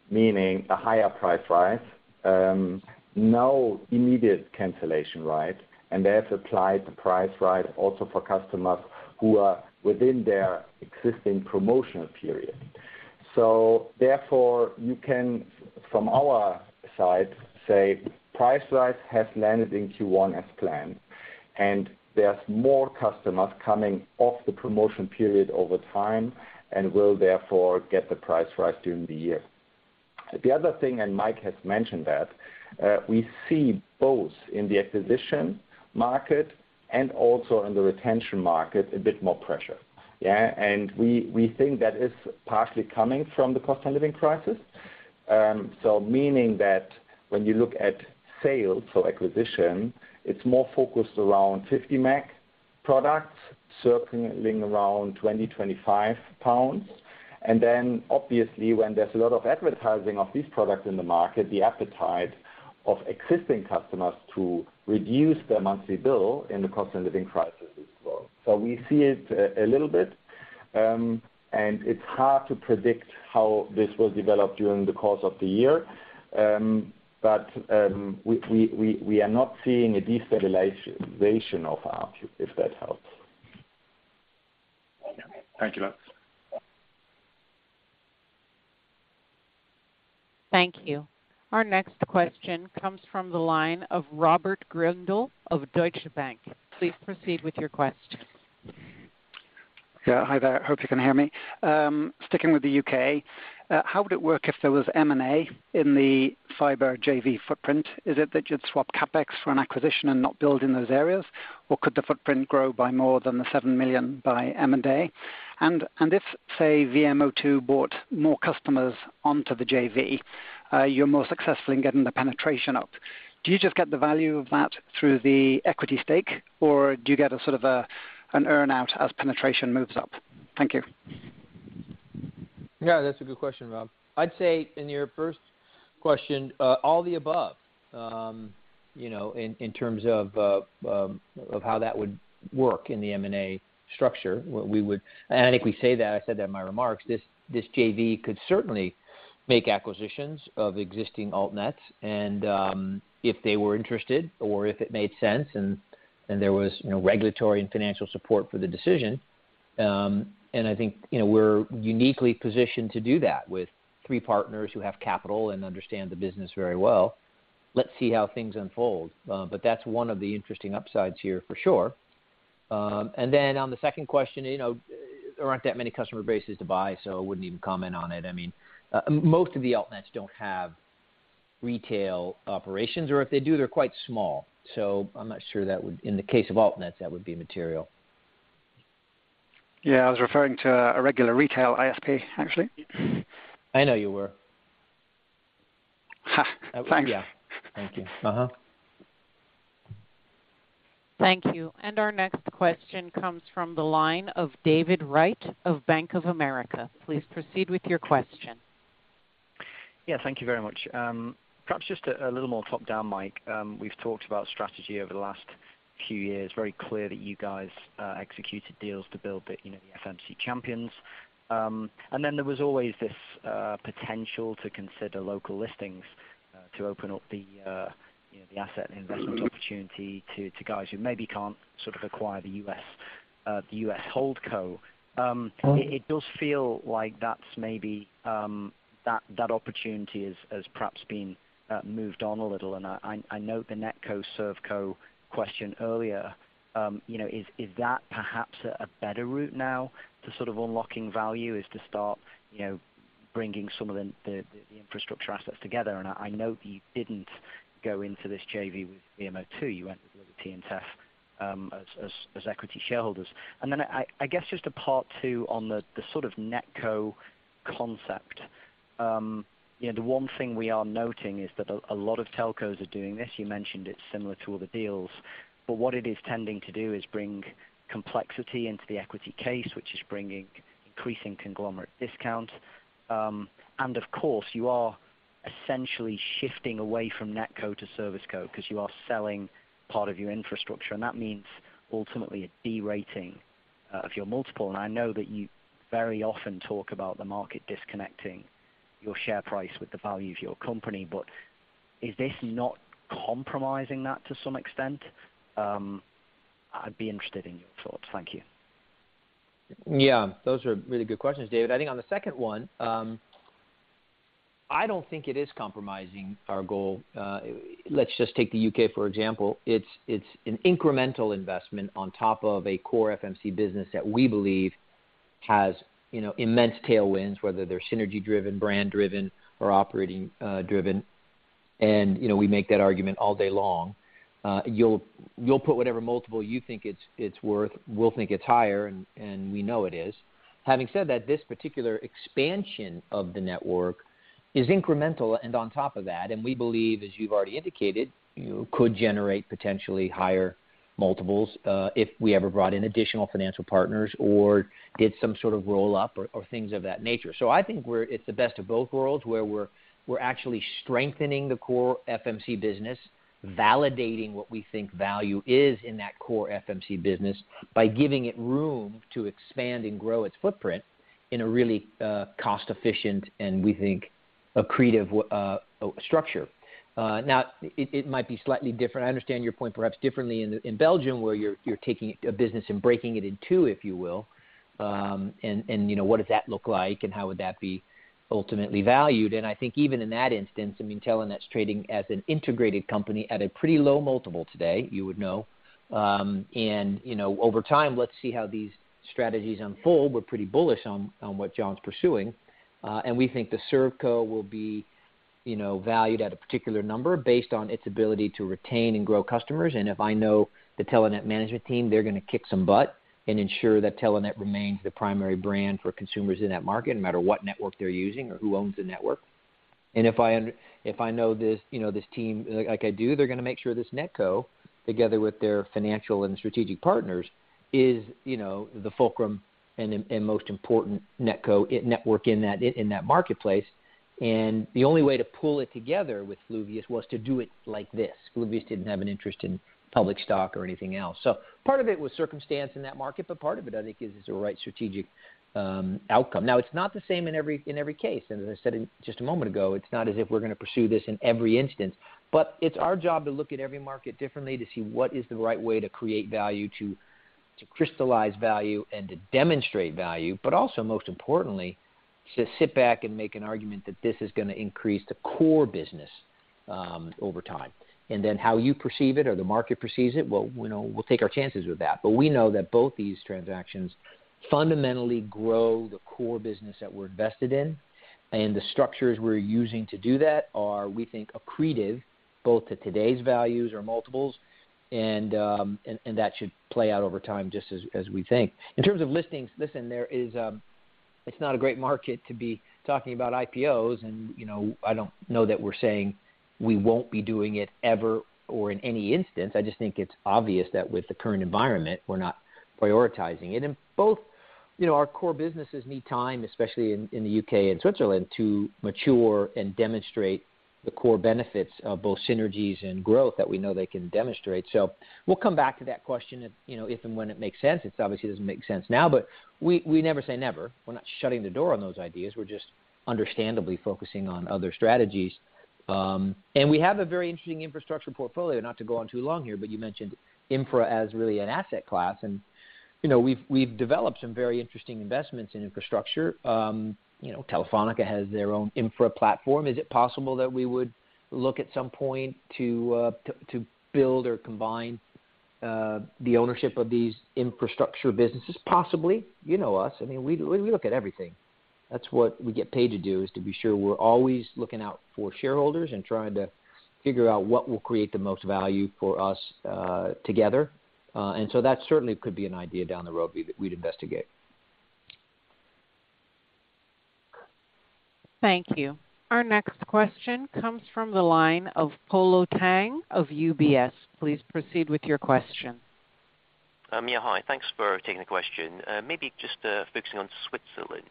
meaning a higher price rise, no immediate cancellation, right? They have applied the price rise also for customers who are within their existing promotional period. Therefore, you can from our side say price rise has landed in Q1 as planned, and there's more customers coming off the promotion period over time and will therefore get the price rise during the year. The other thing, Mike has mentioned that, we see both in the acquisition market and also in the retention market a bit more pressure. Yeah. We think that is partly coming from the cost of living crisis. Meaning that when you look at sales, so acquisition, it's more focused around 50 meg products circling around 20-25 pounds. Then obviously, when there's a lot of advertising of these products in the market, the appetite of existing customers to reduce their monthly bill in the cost of living crisis is low. We see it a little bit, and it's hard to predict how this will develop during the course of the year. We are not seeing a destabilization of our queue, if that helps. Thank you, Lutz. Thank you. Our next question comes from the line of Robert Grindle of Deutsche Bank. Please proceed with your question. Yeah, hi there. Hope you can hear me. Sticking with the U.K., how would it work if there was M&A in the fiber JV footprint? Is it that you'd swap CapEx for an acquisition and not build in those areas, or could the footprint grow by more than the 7 million by M&A? If, say, Virgin Media O2 bought more customers onto the JV, you're more successful in getting the penetration up. Do you just get the value of that through the equity stake, or do you get a sort of an earn out as penetration moves up? Thank you. Yeah, that's a good question, Rob. I'd say in your first question, all the above, you know, in terms of how that would work in the M&A structure. We would and I think we say that I said that in my remarks. This JV could certainly make acquisitions of existing altnets and, if they were interested or if it made sense and there was, you know, regulatory and financial support for the decision. And I think, you know, we're uniquely positioned to do that with three partners who have capital and understand the business very well. Let's see how things unfold. That's one of the interesting upsides here for sure. On the second question, you know, there aren't that many customer bases to buy, so I wouldn't even comment on it. I mean, most of the altnets don't have retail operations, or if they do, they're quite small. I'm not sure in the case of altnets, that would be material. Yeah, I was referring to a regular retail ISP, actually. I know you were. Thanks. Yeah. Thank you. Thank you. Our next question comes from the line of David Wright of Bank of America. Please proceed with your question. Yeah, thank you very much. Perhaps just a little more top-down, Mike. We've talked about strategy over the last few years. Very clear that you guys executed deals to build the, you know, the FMC champions. Then there was always this potential to consider local listings to open up the, you know, the asset and investment opportunity to guys who maybe can't sort of acquire the U.S. holdco. It does feel like that's maybe that opportunity has perhaps been moved on a little. I know the NetCo, ServCo question earlier, you know, is that perhaps a better route now to sort of unlocking value is to start, you know, bringing some of the infrastructure assets together? I know you didn't go into this JV with Virgin Media O2. You went with TEF as equity shareholders. Then I guess just a part two on the sort of NetCo concept. You know, the one thing we are noting is that a lot of telcos are doing this. You mentioned it's similar to other deals, but what it is tending to do is bring complexity into the equity case, which is bringing increasing conglomerate discounts. Of course, you are essentially shifting away from NetCo to ServCo 'cause you are selling part of your infrastructure, and that means ultimately a derating of your multiple. I know that you very often talk about the market disconnecting your share price with the value of your company, but is this not compromising that to some extent? I'd be interested in your thoughts. Thank you. Yeah, those are really good questions, David. I think on the second one, I don't think it is compromising our goal. Let's just take the U.K. for example. It's an incremental investment on top of a core FMC business that we believe has, you know, immense tailwinds, whether they're synergy-driven, brand-driven or operating driven. You know, we make that argument all day long. You'll put whatever multiple you think it's worth. We'll think it's higher and we know it is. Having said that, this particular expansion of the network is incremental and on top of that, and we believe, as you've already indicated, you could generate potentially higher multiples if we ever brought in additional financial partners or did some sort of roll-up or things of that nature. I think it's the best of both worlds, where we're actually strengthening the core FMC business, validating what we think value is in that core FMC business by giving it room to expand and grow its footprint in a really cost efficient and we think accretive structure. Now it might be slightly different. I understand your point, perhaps differently in Belgium, where you're taking a business and breaking it in two, if you will. You know, what does that look like and how would that be ultimately valued? I think even in that instance, I mean, Telenet's trading as an integrated company at a pretty low multiple today, you would know. You know, over time, let's see how these strategies unfold. We're pretty bullish on what John's pursuing. We think the ServCo will be, you know, valued at a particular number based on its ability to retain and grow customers. If I know the Telenet management team, they're gonna kick some butt and ensure that Telenet remains the primary brand for consumers in that market, no matter what network they're using or who owns the network. If I know this, you know, this team like I do, they're gonna make sure this NetCo, together with their financial and strategic partners, is, you know, the fulcrum and most important NetCo network in that marketplace. The only way to pull it together with Fluvius was to do it like this. Fluvius didn't have an interest in public stock or anything else. Part of it was circumstance in that market, but part of it, I think, is the right strategic outcome. It's not the same in every case. As I said just a moment ago, it's not as if we're gonna pursue this in every instance, but it's our job to look at every market differently, to see what is the right way to create value, to crystallize value and to demonstrate value, but also, most importantly, to sit back and make an argument that this is gonna increase the core business over time. Then how you perceive it or the market perceives it, well, you know, we'll take our chances with that. We know that both these transactions fundamentally grow the core business that we're invested in, and the structures we're using to do that are, we think, accretive both to today's values or multiples, and that should play out over time, just as we think. In terms of listings, listen, there is. It's not a great market to be talking about IPOs. You know, I don't know that we're saying we won't be doing it ever or in any instance. I just think it's obvious that with the current environment, we're not prioritizing it. Both, you know, our core businesses need time, especially in the U.K. and Switzerland, to mature and demonstrate the core benefits of both synergies and growth that we know they can demonstrate. We'll come back to that question if, you know, if and when it makes sense. It obviously doesn't make sense now, but we never say never. We're not shutting the door on those ideas. We're just understandably focusing on other strategies. We have a very interesting infrastructure portfolio. Not to go on too long here, but you mentioned infra as really an asset class. You know, we've developed some very interesting investments in infrastructure. You know, Telefónica has their own infra platform. Is it possible that we would look at some point to build or combine the ownership of these infrastructure businesses? Possibly. You know us. I mean, we look at everything. That's what we get paid to do, is to be sure we're always looking out for shareholders and trying to figure out what will create the most value for us together. That certainly could be an idea down the road we'd investigate. Thank you. Our next question comes from the line of Polo Tang of UBS. Please proceed with your question. Yeah, hi. Thanks for taking the question. Maybe just focusing on Switzerland.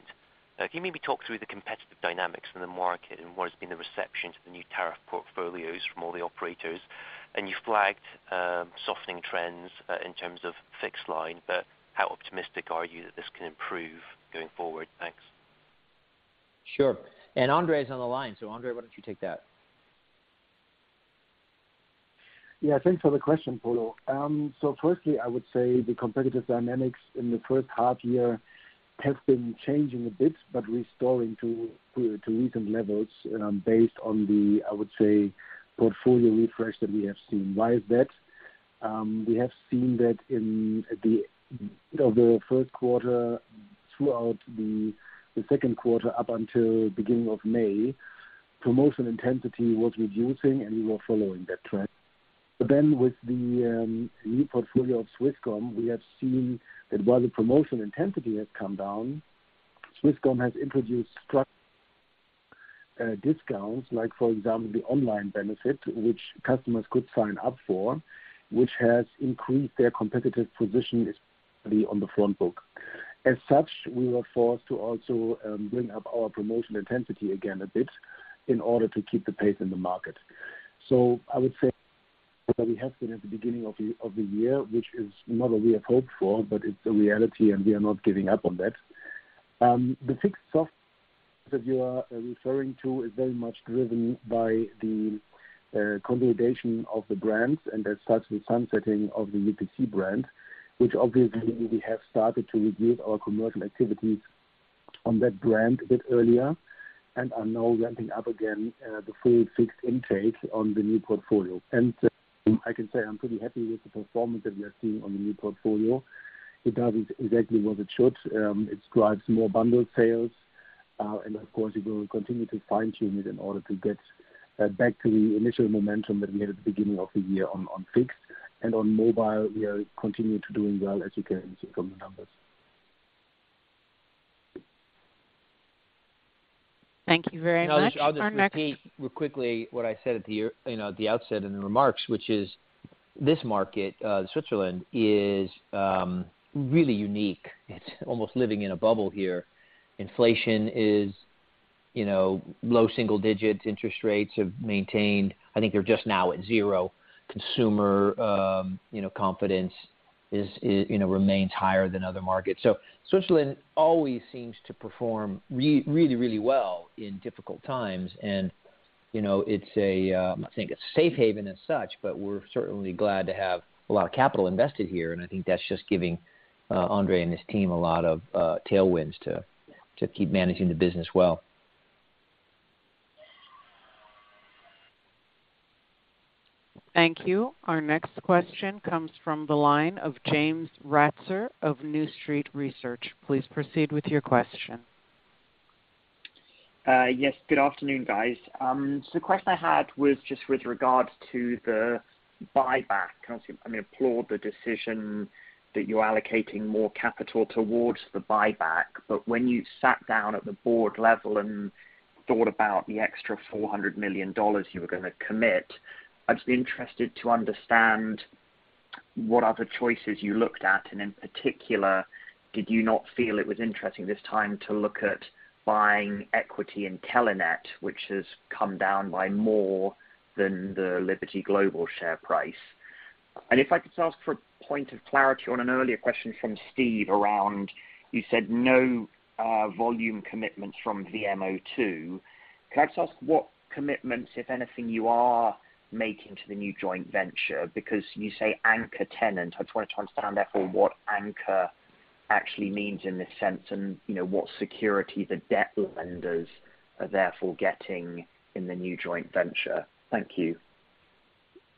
Can you maybe talk through the competitive dynamics in the market and what has been the reception to the new tariff portfolios from all the operators? You've flagged softening trends in terms of fixed line, but how optimistic are you that this can improve going forward? Thanks. Sure. André is on the line. André, why don't you take that? Yeah, thanks for the question, Polo. So firstly, I would say the competitive dynamics in the first half year have been changing a bit, but restoring to recent levels, based on the, I would say, portfolio refresh that we have seen. Why is that? We have seen that in the first quarter throughout the second quarter, up until beginning of May, promotion intensity was reducing and we were following that trend. But then with the new portfolio of Swisscom, we have seen that while the promotion intensity has come down, Swisscom has introduced structured discounts like for example, the online benefit which customers could sign up for, which has increased their competitive position, especially on the front book. As such, we were forced to also bring up our promotion intensity again a bit in order to keep the pace in the market. I would say that we have been at the beginning of the year, which is not what we have hoped for, but it's the reality and we are not giving up on that. The fixed soft that you are referring to is very much driven by the consolidation of the brands, and that starts with sunsetting of the UPC brand, which obviously we have started to reduce our commercial activities on that brand a bit earlier and are now ramping up again, the full fixed intake on the new portfolio. I can say I'm pretty happy with the performance that we are seeing on the new portfolio. It does exactly what it should. It drives more bundled sales, and of course it will continue to fine-tune it in order to get back to the initial momentum that we made at the beginning of the year on fixed. On mobile, we are continuing to doing well as you can see from the numbers. Thank you very much. I'll just repeat real quickly what I said at the outset in the remarks, which is this market, Switzerland is really unique. It's almost living in a bubble here. Inflation is, you know, low single digits. Interest rates have maintained. I think they're just now at zero. Consumer, you know, confidence is, you know, remains higher than other markets. Switzerland always seems to perform really well in difficult times and, you know, it's a, I think a safe haven and such, but we're certainly glad to have a lot of capital invested here, and I think that's just giving, André and his team a lot of tailwinds to keep managing the business well. Thank you. Our next question comes from the line of James Ratzer of New Street Research. Please proceed with your question. Yes, good afternoon, guys. So the question I had was just with regards to the buyback. Obviously, I mean, applaud the decision that you're allocating more capital towards the buyback. When you sat down at the board level and thought about the extra $400 million you were gonna commit, I'd just be interested to understand what other choices you looked at. In particular, did you not feel it was interesting this time to look at buying equity in Telenet, which has come down by more than the Liberty Global share price? If I could just ask for a point of clarity on an earlier question from Steve around, you said no volume commitments from Virgin Media O2. Can I just ask what commitments, if anything, you are making to the new joint venture? Because you say anchor tenant. I just wanna try understand therefore what anchor actually means in this sense and, you know, what security the debt lenders are therefore getting in the new joint venture. Thank you.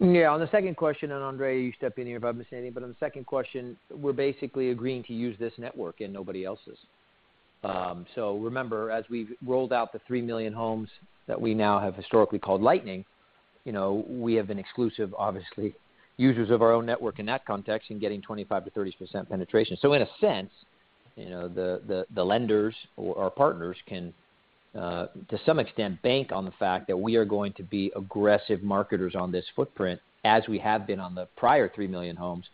Yeah, on the second question, and André, you step in here if I'm misunderstanding, but on the second question, we're basically agreeing to use this network and nobody else's. Remember, as we've rolled out the 3 million homes that we now have historically called Lightning, you know, we have been exclusive, obviously users of our own network in that context and getting 25%-30% penetration. In a sense, you know, the lenders or partners can, to some extent bank on the fact that we are going to be aggressive marketers on this footprint as we have been on the prior 3 million homes,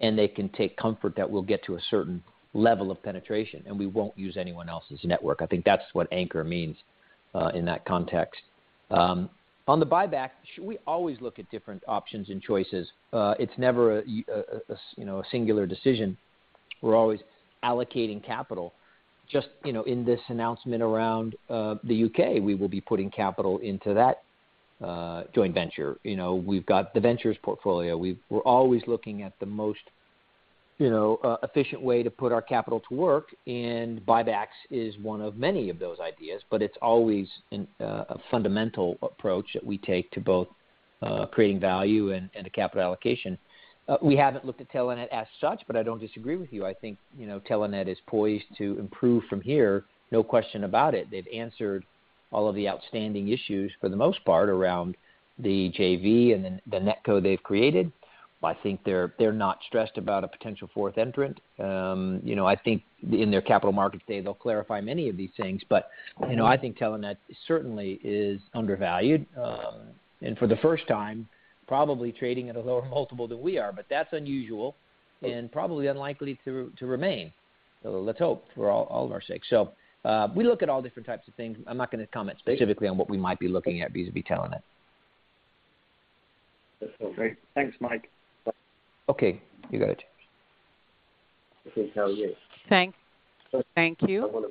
and they can take comfort that we'll get to a certain level of penetration, and we won't use anyone else's network. I think that's what André means, in that context. On the buyback, we always look at different options and choices. It's never, you know, a singular decision. We're always allocating capital. Just, you know, in this announcement around the U.K., we will be putting capital into that joint venture. You know, we've got the ventures portfolio. We're always looking at the most, you know, efficient way to put our capital to work, and buybacks is one of many of those ideas, but it's always a fundamental approach that we take to both creating value and a capital allocation. We haven't looked at Telenet as such, but I don't disagree with you. I think, you know, Telenet is poised to improve from here, no question about it. They've answered all of the outstanding issues for the most part around the JV and then the NetCo they've created. I think they're not stressed about a potential fourth entrant. You know, I think in their capital markets day, they'll clarify many of these things. You know, I think Telenet certainly is undervalued, and for the first time, probably trading at a lower multiple than we are. That's unusual and probably unlikely to remain. Let's hope for all of our sakes. We look at all different types of things. I'm not gonna comment specifically on what we might be looking at vis-à-vis Telenet. That's all great. Thanks, Mike. Okay, you got it. Okay, thank you. Thank you.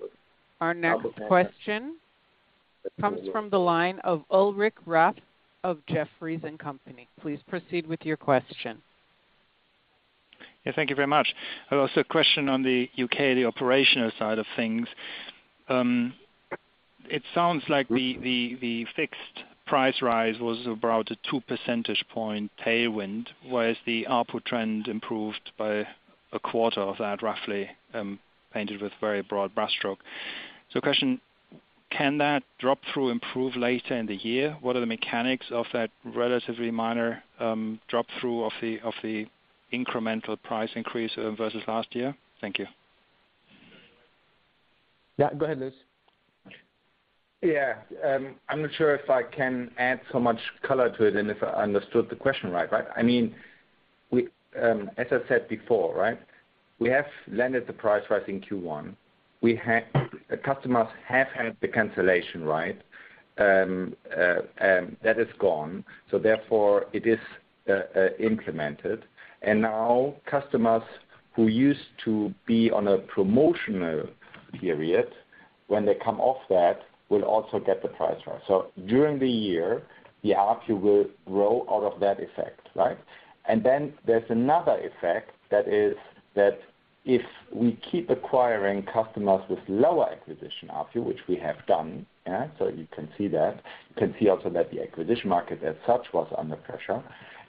Our next question comes from the line of Ulrich Rathe of Jefferies & Company. Please proceed with your question. Yeah, thank you very much. Question on the U.K., the operational side of things. It sounds like the fixed price rise was about a two percentage point tailwind, whereas the ARPU trend improved by a quarter of that, roughly, painted with very broad brush stroke. Question, can that drop through improve later in the year? What are the mechanics of that relatively minor drop through of the incremental price increase versus last year? Thank you. Yeah, go ahead, Lutz. Yeah. I'm not sure if I can add so much color to it and if I understood the question right. I mean, we, as I said before, right? We have landed the price rise in Q1. The customers have had the cancellation, right? And that is gone. Therefore it is implemented. Now customers who used to be on a promotional period, when they come off that, will also get the price rise. During the year, the ARPU will grow out of that effect, right? Then there's another effect that is that if we keep acquiring customers with lower acquisition ARPU, which we have done, yeah, so you can see that. You can see also that the acquisition market as such was under pressure.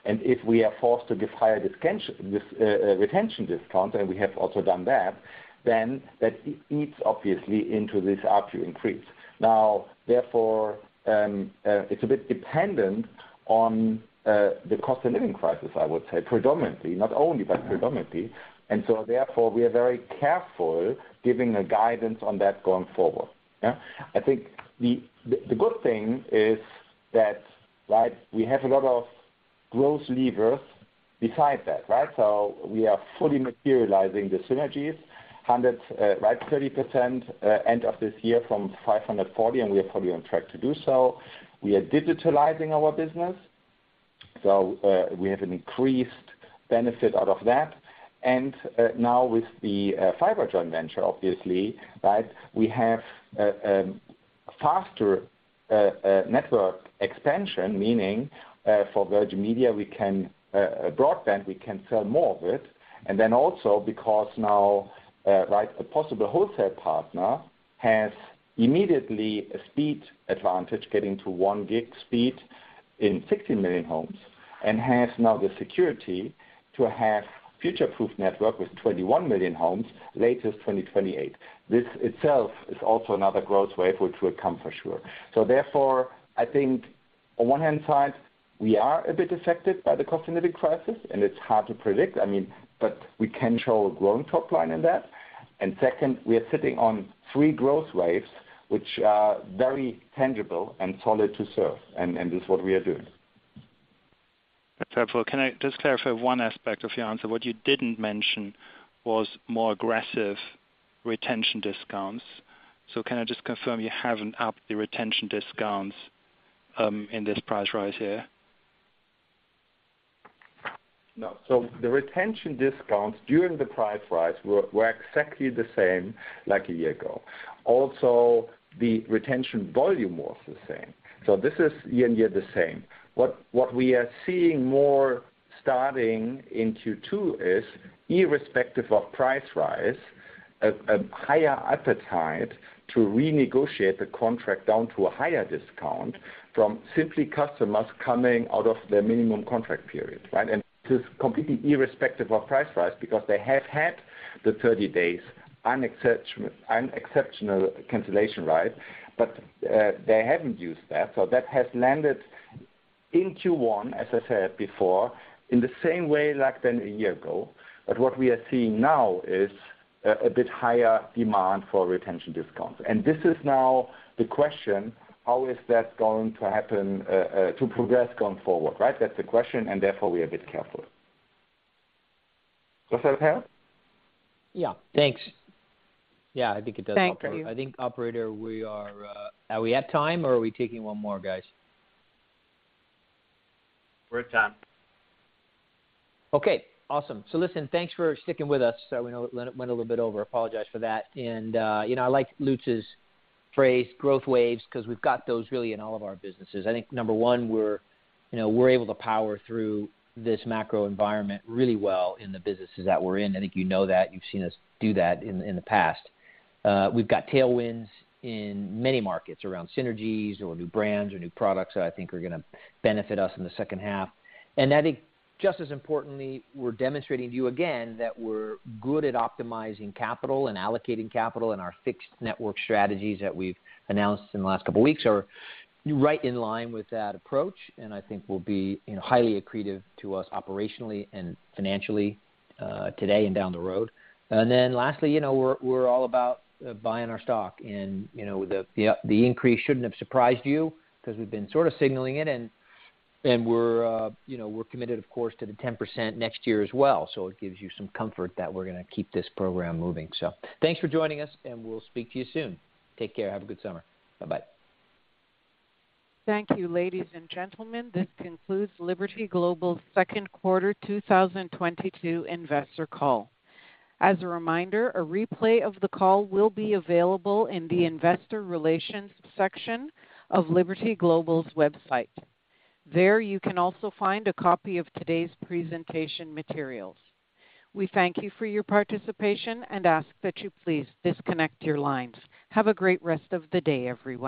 If we are forced to give higher retention discount, and we have also done that, then that eats obviously into this ARPU increase. Now therefore, it's a bit dependent on the cost of living crisis, I would say predominantly, not only, but predominantly. Therefore, we are very careful giving a guidance on that going forward. Yeah. I think the good thing is that, right, we have a lot of growth levers besides that, right? We are fully materializing the synergies. 130% end of this year from 540, and we are probably on track to do so. We are digitalizing our business. We have an increased benefit out of that. Now with the fiber joint venture, obviously, right, we have a faster network expansion, meaning for Virgin Media, we can broadband, we can sell more of it. Because now, right, a possible wholesale partner has immediately a speed advantage getting to one gig speed in 6 million homes and has now the security to have future-proof network with 21 million homes latest 2028. This itself is also another growth wave which will come for sure. Therefore, I think on one hand side, we are a bit affected by the cost of living crisis, and it's hard to predict. I mean, we can show a growing top line in that. Second, we are sitting on three growth waves which are very tangible and solid to serve, and this is what we are doing. That's helpful. Can I just clarify one aspect of your answer? What you didn't mention was more aggressive retention discounts. Can I just confirm you haven't upped the retention discounts in this price rise here? No. The retention discounts during the price rise were exactly the same like a year ago. Also, the retention volume was the same. This is year-on-year the same. What we are seeing more starting in Q2 is, irrespective of price rise, a higher appetite to renegotiate the contract down to a higher discount from simply customers coming out of their minimum contract period, right? This is completely irrespective of price rise because they have had the 30 days unexceptional cancellation right, but they haven't used that. That has landed in Q1, as I said before, in the same way than a year ago. What we are seeing now is a bit higher demand for retention discounts. This is now the question, how is that going to progress going forward, right? That's the question, and therefore, we are a bit careful. Does that help? Yeah. Thanks. Yeah, I think it does help. Thank you. I think, operator. Are we at time, or are we taking one more, guys? We're at time. Okay, awesome. Listen, thanks for sticking with us. We know it went a little bit over. Apologize for that. You know, I like Lutz's phrase, growth waves, 'cause we've got those really in all of our businesses. I think, number one, we're, you know, able to power through this macro environment really well in the businesses that we're in. I think you know that. You've seen us do that in the past. We've got tailwinds in many markets around synergies or new brands or new products that I think are gonna benefit us in the second half. I think just as importantly, we're demonstrating to you again that we're good at optimizing capital and allocating capital, and our fixed network strategies that we've announced in the last couple weeks are right in line with that approach, and I think will be, you know, highly accretive to us operationally and financially, today and down the road. Then lastly, you know, we're all about buying our stock. You know, the increase shouldn't have surprised you 'cause we've been sort of signaling it, and we're, you know, committed, of course, to the 10% next year as well. It gives you some comfort that we're gonna keep this program moving. Thanks for joining us, and we'll speak to you soon. Take care. Have a good summer. Bye-bye. Thank you, ladies and gentlemen. This concludes Liberty Global's second quarter 2022 investor call. As a reminder, a replay of the call will be available in the investor relations section of Liberty Global's website. There, you can also find a copy of today's presentation materials. We thank you for your participation and ask that you please disconnect your lines. Have a great rest of the day, everyone.